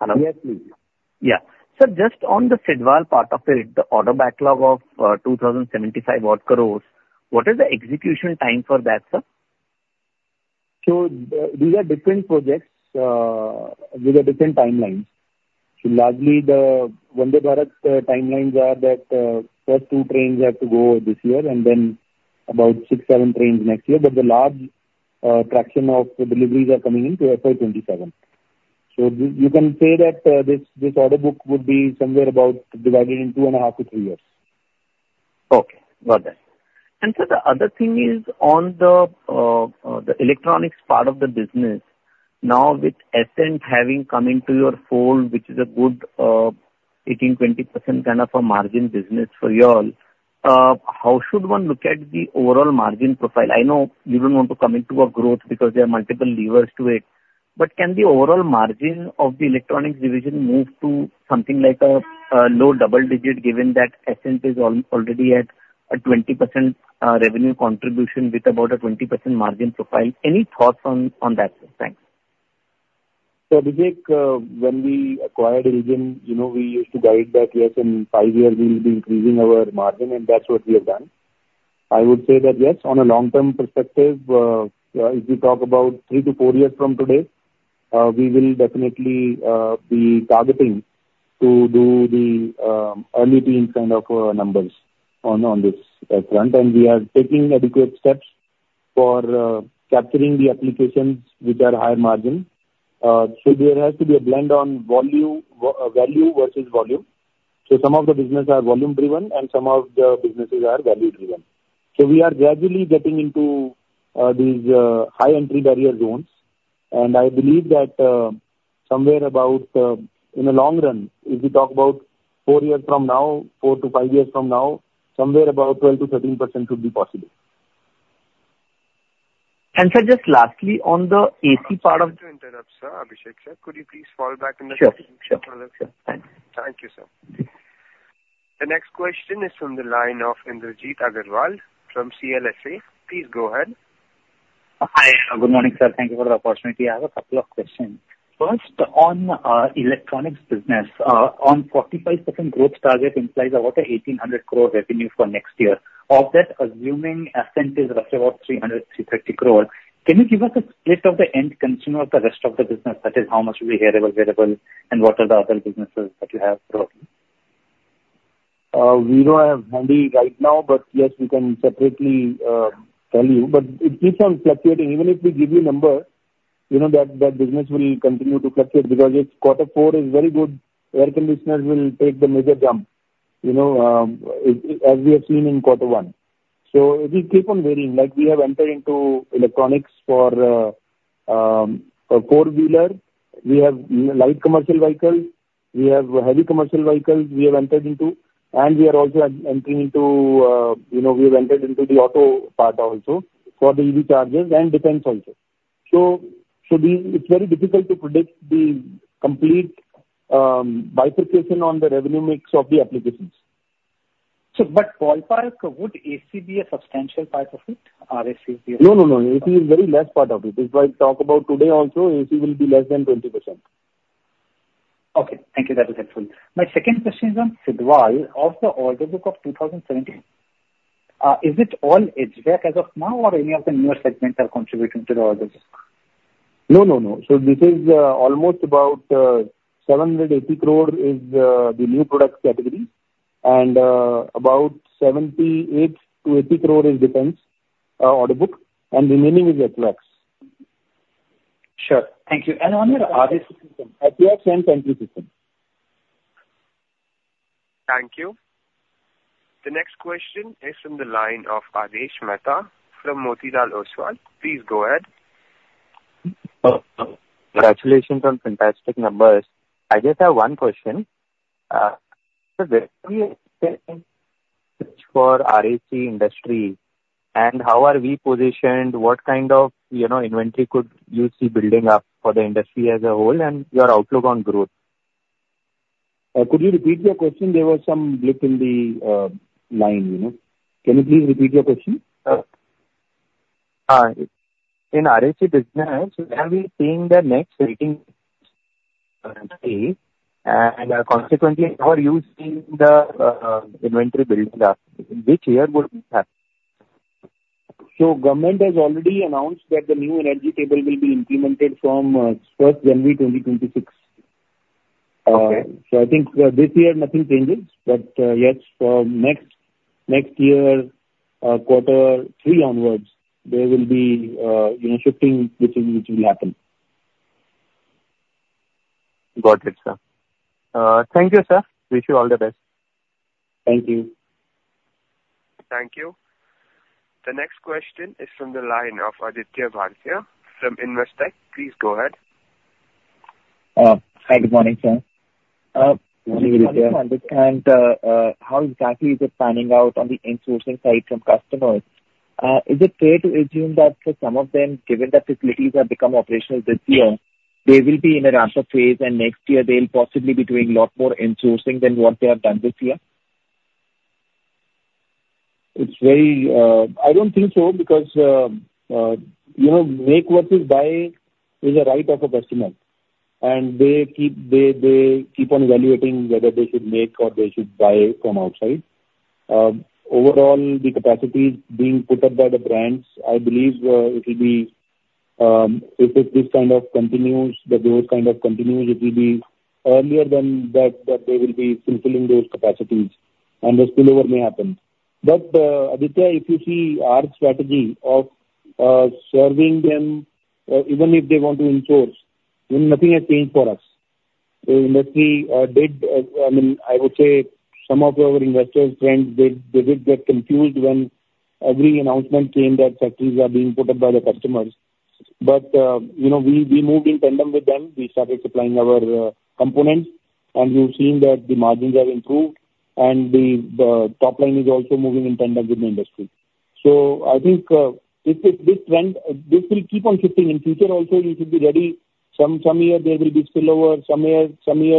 Hello? Yes, please. Yeah. Sir, just on the Sidwal part of it, the order backlog of 2,075 crores, what is the execution time for that, sir? These are different projects with different timelines. Largely, the Vande Bharat timelines are that first two trains have to go this year and then about six, seven trains next year. But the large traction of deliveries are coming into FY 2027. You can say that this order book would be somewhere about divided in 2.5-3 years. Okay. Got it. And sir, the other thing is on the electronics part of the business, now with Ascent having come into your fold, which is a good 18%-20% kind of a margin business for y'all, how should one look at the overall margin profile? I know you don't want to come into a growth because there are multiple levers to it, but can the overall margin of the electronics division move to something like a low double-digit, given that Ascent is already at a 20% revenue contribution with about a 20% margin profile? Any thoughts on that, sir? Thanks. So Abhishek, when we acquired IL JIN, we used to guide that, yes, in five years, we will be increasing our margin, and that's what we have done. I would say that, yes, on a long-term perspective, if we talk about 3-4 years from today, we will definitely be targeting to do the early teens kind of numbers on this front. And we are taking adequate steps for capturing the applications which are higher margin. So there has to be a blend on value versus volume. So some of the business are volume-driven, and some of the businesses are value-driven. So we are gradually getting into these high entry barrier zones. And I believe that somewhere about in the long run, if we talk about four years from now, 4-5 years from now, somewhere about 12%-13% should be possible. Sir, just lastly, on the AC part of. I want to interrupt, sir, Abhishek sir. Could you please fall back in the? Sure. Sure. Thanks. Thank you, sir. The next question is from the line of Indrajit Agarwal from CLSA. Please go ahead. Hi. Good morning, sir. Thank you for the opportunity. I have a couple of questions. First, on electronics business, the 45% growth target implies about 1,800 crore revenue for next year. Of that, assuming Ascent is roughly about 300 crore-330 crore, can you give us a split of the end consumer of the rest of the business? That is, how much will be here, available, and what are the other businesses that you have brought in? We don't have it handy right now, but yes, we can separately tell you. But it keeps on fluctuating. Even if we give you numbers, that business will continue to fluctuate because it's quarter four is very good. Air conditioners will take the major jump, as we have seen in quarter one. So if we keep on varying, like we have entered into electronics for four-wheeler, we have light commercial vehicles, we have heavy commercial vehicles we have entered into, and we are also entering into we have entered into the auto part also for the EV chargers and defense also. So it's very difficult to predict the complete bifurcation on the revenue mix of the applications. But fallback, would AC be a substantial part of it? RAC be a substantial? No, no, no. AC is a very less part of it. If I talk about today also, AC will be less than 20%. Okay. Thank you. That is helpful. My second question is on Sidwal. Of the order book of 2017, is it all HVAC as of now, or any of the newer segments are contributing to the order book? No, no, no. So this is almost about 780 crore is the new product category, and about 78 crore- 80 crore is defense order book, and remaining is HVAC. Sure. Thank you. And on your other? HVAC and pantry system. Thank you. The next question is from the line of Adesh Mehta from Motilal Oswal. Please go ahead. Congratulations on fantastic numbers. I just have one question. For RAC industry, and how are we positioned? What kind of inventory could you see building up for the industry as a whole and your outlook on growth? Could you repeat your question? There was some blip in the line. Can you please repeat your question? In RAC business, are we seeing the next rating? Currently, and consequently, are you seeing the inventory building up? Which year will this happen? So government has already announced that the new energy table will be implemented from 1st January 2026. So I think this year nothing changes, but yes, for next year, quarter three onwards, there will be shifting, which will happen. Got it, sir. Thank you, sir. Wish you all the best. Thank you. Thank you. The next question is from the line of Aditya Bhartia from Investec. Please go ahead. Hi, good morning, sir. Good morning. (audio distortion) I wanted to understand how exactly is it panning out on the insourcing side from customers? Is it fair to assume that for some of them, given that facilities have become operational this year, they will be in a ramp-up phase, and next year they'll possibly be doing a lot more insourcing than what they have done this year? It's very, I don't think so because make versus buy is a right of a customer, and they keep on evaluating whether they should make or they should buy from outside. Overall, the capacity is being put up by the brands. I believe it will be if this kind of continues, the growth kind of continues, it will be earlier than that they will be fulfilling those capacities, and the spillover may happen. But Aditya, if you see our strategy of serving them, even if they want to insource, nothing has changed for us. The industry did, I mean, I would say some of our investors, friends, they did get confused when every announcement came that factories are being put up by the customers. But we moved in tandem with them. We started supplying our components, and we've seen that the margins have improved, and the top line is also moving in tandem with the industry. So I think if this trend, this will keep on shifting in future also. You should be ready. Some year there will be spillover. Some year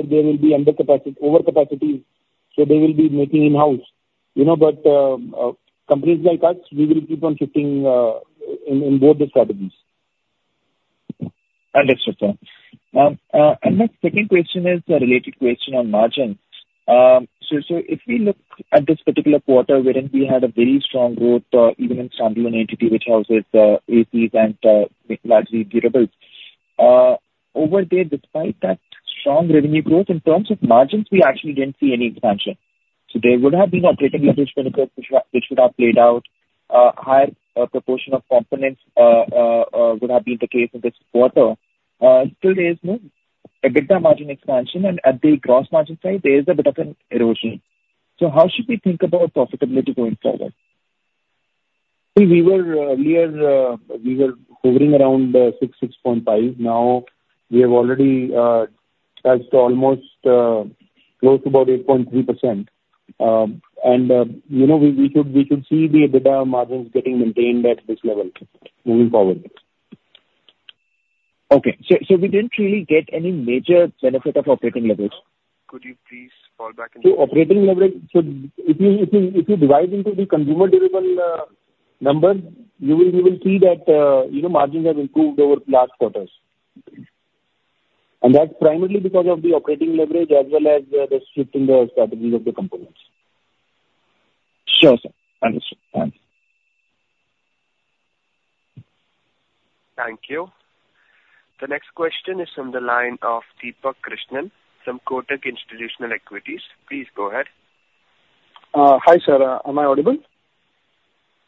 there will be undercapacity, overcapacity, so they will be making in-house. But companies like us, we will keep on shifting in both the strategies. Understood, sir. My second question is a related question on margins. If we look at this particular quarter wherein we had a very strong growth, even in standalone entity, which houses ACs and largely durables, over there, despite that strong revenue growth, in terms of margins, we actually didn't see any expansion. There would have been operating leverage benefits which would have played out. A higher proportion of components would have been the case in this quarter. Still, there is no bigger margin expansion, and at the gross margin side, there is a bit of an erosion. How should we think about profitability going forward? See, we were hovering around 6%, 6.5%. Now we have already touched almost close to about 8.3%. We should see the EBITDA margins getting maintained at this level moving forward. Okay. We didn't really get any major benefit of operating leverage. Could you please fall back into? Operating leverage, if you divide into the consumer durable number, you will see that margins have improved over the last quarters. That's primarily because of the operating leverage as well as the shift in the strategies of the components. Sure, sir. Understood. Thanks. Thank you. The next question is from the line of Deepak Krishnan from Kotak Institutional Equities. Please go ahead. Hi, sir. Am I audible?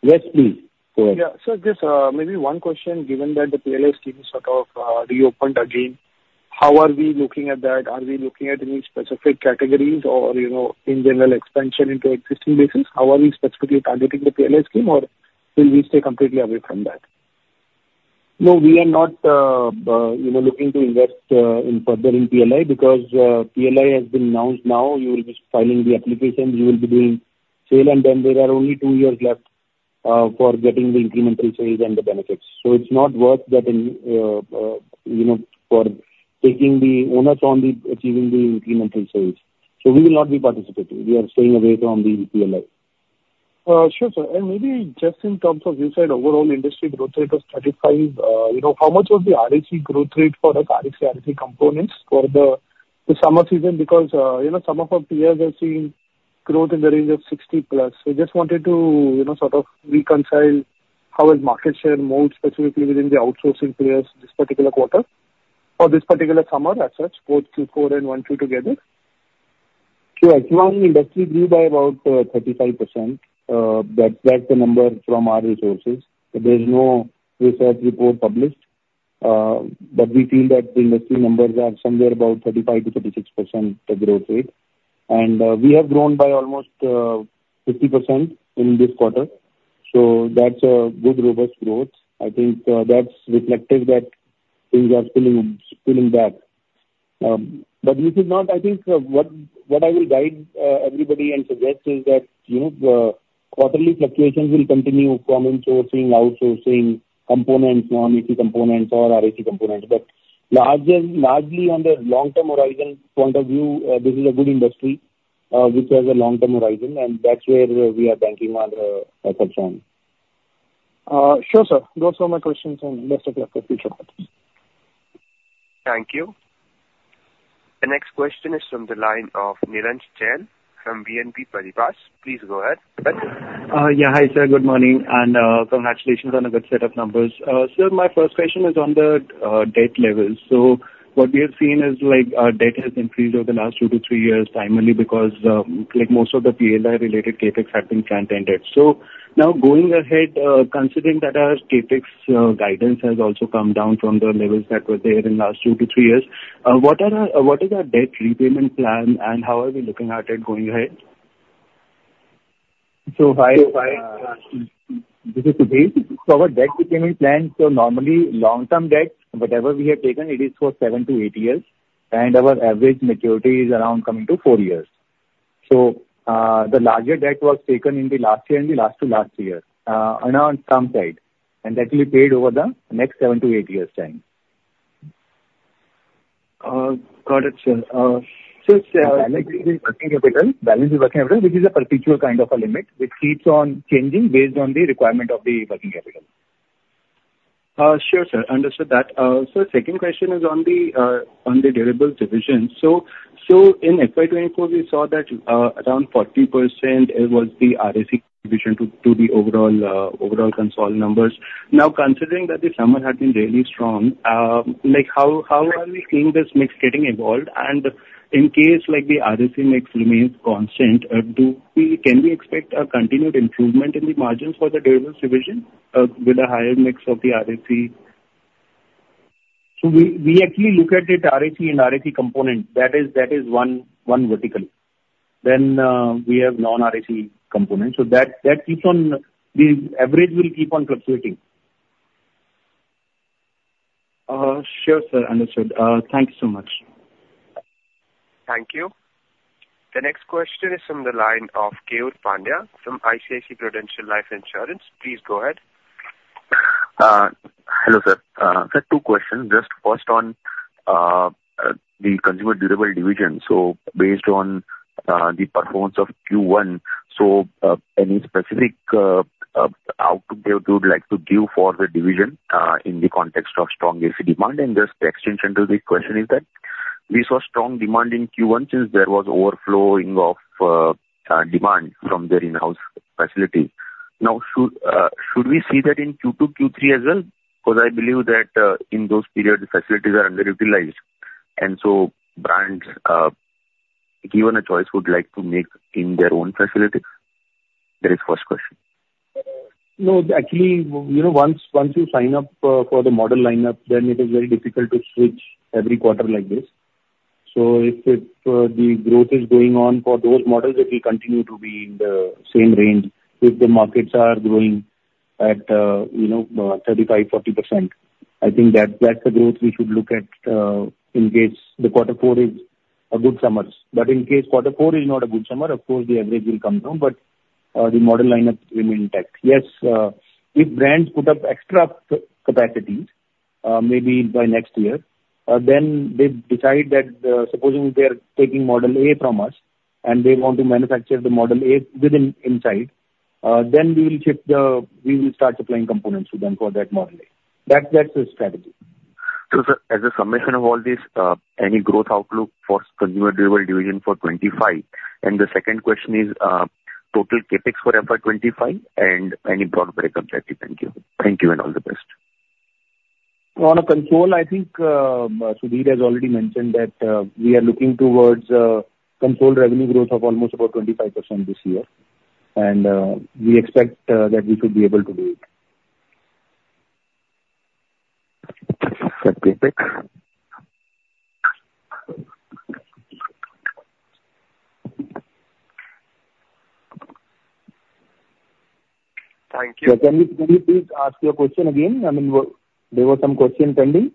Yes, please. Go ahead. Yeah. Sir, just maybe one question. Given that the PLI scheme is sort of reopened again, how are we looking at that? Are we looking at any specific categories or in general expansion into existing basis? How are we specifically targeting the PLI scheme, or will we stay completely away from that? No, we are not looking to invest further in PLI because PLI has been announced now. You will be filing the application. You will be doing sale, and then there are only two years left for getting the incremental sales and the benefits. So it's not worth that for taking the onus on achieving the incremental sales. So we will not be participating. We are staying away from the PLI. Sure, sir. Maybe just in terms of you said overall industry growth rate of 35%, how much was the RAC growth rate for us, RAC, RAC components for the summer season? Because some of our peers have seen growth in the range of 60+. We just wanted to sort of reconcile how has market share moved specifically within the outsourcing players this particular quarter or this particular summer as such, both Q4 and Q1 together? Sure. Q1, industry grew by about 35%. That's the number from our resources. There's no research report published, but we feel that the industry numbers are somewhere about 35%-36% growth rate. And we have grown by almost 50% in this quarter. So that's a good, robust growth. I think that's reflective that things are spilling back. But this is not, I think what I will guide everybody and suggest is that quarterly fluctuations will continue from insourcing, outsourcing components, non-AC components, or RAC components. But largely on the long-term horizon point of view, this is a good industry which has a long-term horizon, and that's where we are banking on our efforts on. Sure, sir. Those were my questions and best of luck for future. Thank you. The next question is from the line of Nirransh Jain from BNP Paribas. Please go ahead. Yeah. Hi, sir. Good morning. Congratulations on a good set of numbers. Sir, my first question is on the debt levels. So what we have seen is debt has increased over the last 2-3 years primarily because most of the PLI-related CAPEX have been front-ended. So now going ahead, considering that our CAPEX guidance has also come down from the levels that were there in the last 2-3 years, what is our debt repayment plan, and how are we looking at it going ahead? This is Sudhir. Our debt repayment plan: normally long-term debt, whatever we have taken, it is for 7-8 years, and our average maturity is around coming to four years. The larger debt was taken in the last year, in the last-to-last year, on our term side, and that will be paid over the next 7-8 years' time. Got it, sir. So it's a balance is working capital, which is a perpetual kind of a limit which keeps on changing based on the requirement of the working capital. Sure, sir. Understood that. So the second question is on the durable division. So in FY 2024, we saw that around 40% was the RAC contribution to the overall consolidated numbers. Now, considering that the summer had been really strong, how are we seeing this mix getting evolved? And in case the RAC mix remains constant, can we expect a continued improvement in the margins for the durable division with a higher mix of the RAC? So we actually look at the RAC and RAC components. That is one vertical. Then we have non-RAC components. So that, on the average, will keep on fluctuating. Sure, sir. Understood. Thank you so much. Thank you. The next question is from the line of Keyur Pandya from ICICI Prudential Life Insurance. Please go ahead. Hello, sir. I have two questions. First, on the consumer durable division. So based on the performance of Q1, so any specific output that you would like to give for the division in the context of strong AC demand? And just the extension to the question is that we saw strong demand in Q1 since there was overflowing of demand from their in-house facilities. Now, should we see that in Q2, Q3 as well? Because I believe that in those periods, facilities are underutilized. And so brands, given a choice, would like to make in their own facilities. That is the first question. No, actually, once you sign up for the model lineup, then it is very difficult to switch every quarter like this. So if the growth is going on for those models, it will continue to be in the same range if the markets are growing at 35%-40%. I think that's the growth we should look at in case the quarter four is a good summer. But in case quarter four is not a good summer, of course, the average will come down, but the model lineup will remain intact. Yes, if brands put up extra capacity, maybe by next year, then they decide that supposing they are taking model A from us and they want to manufacture the model A inside, then we will start supplying components to them for that model A. That's the strategy. So, sir, as a summation of all this, any growth outlook for consumer durable division for 2025? And the second question is total CAPEX for FY 2025 and any broad breakup that you can give. Thank you and all the best. Overall, I think Sudhir has already mentioned that we are looking towards controlled revenue growth of almost about 25% this year, and we expect that we should be able to do it. (audio distortion) Thank you. Sir, can you please ask your question again? I mean, there were some questions pending.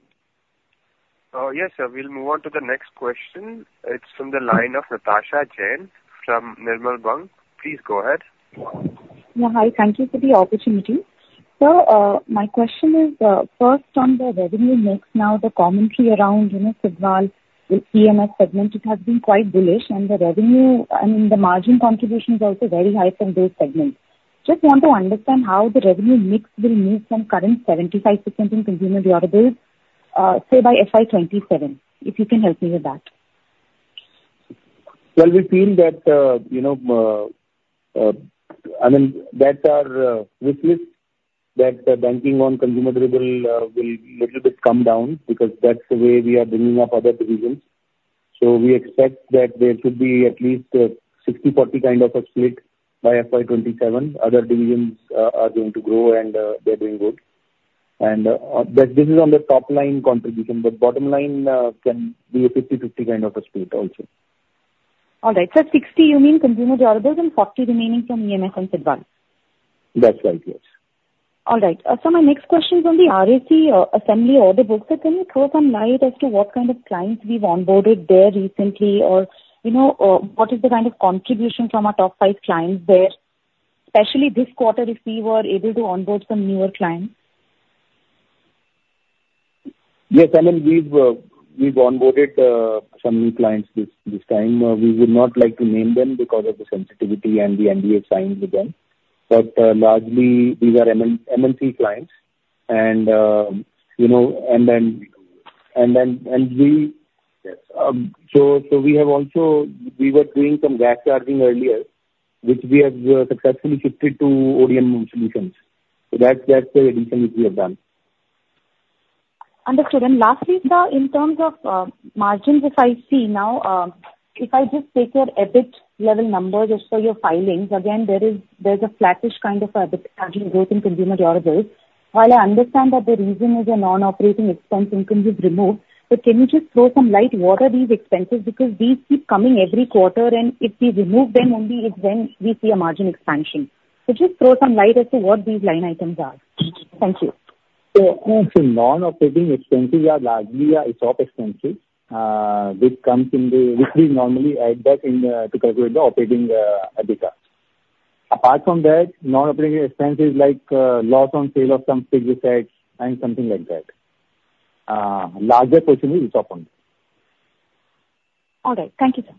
Yes, sir. We'll move on to the next question. It's from the line of Natasha Jain from Nirmal Bang. Please go ahead. Yeah. Hi. Thank you for the opportunity. Sir, my question is, first, on the revenue mix, now the commentary around Sidwal EMS segment, it has been quite bullish, and the revenue, I mean, the margin contribution is also very high from those segments. Just want to understand how the revenue mix will move from current 75% in consumer durables, say, by FY 2027, if you can help me with that. Well, we feel that, I mean, that's our wish list, that banking on consumer durables will a little bit come down because that's the way we are bringing up other divisions. So we expect that there should be at least a 60/40 kind of a split by FY 2027. Other divisions are going to grow, and they're doing good. And this is on the top line contribution, but bottom line can be a 50/50 kind of a split also. All right. So, 60, you mean consumer durables and 40 remaining from EMS and Sidwal? That's right. Yes. All right. So my next question is on the RAC assembly order books. Can you throw some light as to what kind of clients we've onboarded there recently, or what is the kind of contribution from our top five clients there, especially this quarter if we were able to onboard some newer clients? Yes. I mean, we've onboarded some new clients this time. We would not like to name them because of the sensitivity and the NDA signed with them. But largely, these are MNC clients. And then we also were doing some gas charging earlier, which we have successfully shifted to ODM solutions. So that's the addition we have done. Understood. Lastly, sir, in terms of margins, if I see now, if I just take your EBIT level numbers as per your filings, again, there's a flattish kind of EBIT margin growth in consumer durables. While I understand that the reason is a non-operating expense income you've removed, but can you just throw some light, what are these expenses? Because these keep coming every quarter, and if we remove them only, is then we see a margin expansion. Just throw some light as to what these line items are. Thank you. So actually, non-operating expenses are largely ESOP expenses which we normally add that to calculate the operating EBITDA. Apart from that, non-operating expenses like loss on sale of some fixed assets and something like that. Larger portion is a ESOP one. All right. Thank you, sir.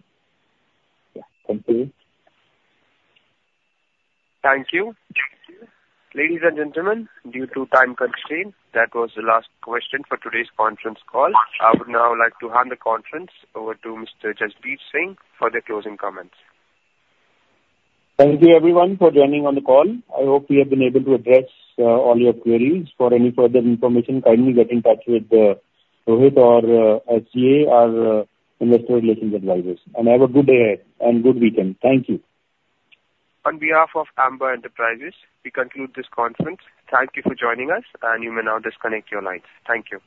Yeah. Thank you. Thank you. Ladies and gentlemen, due to time constraint, that was the last question for today's conference call. I would now like to hand the conference over to Mr. Jasbir Singh for the closing comments. Thank you, everyone, for joining on the call. I hope we have been able to address all your queries. For any further information, kindly get in touch with Rohit or SGA, our investor relations advisors. Have a good day and good weekend. Thank you. On behalf of Amber Enterprises, we conclude this conference. Thank you for joining us, and you may now disconnect your lines. Thank you.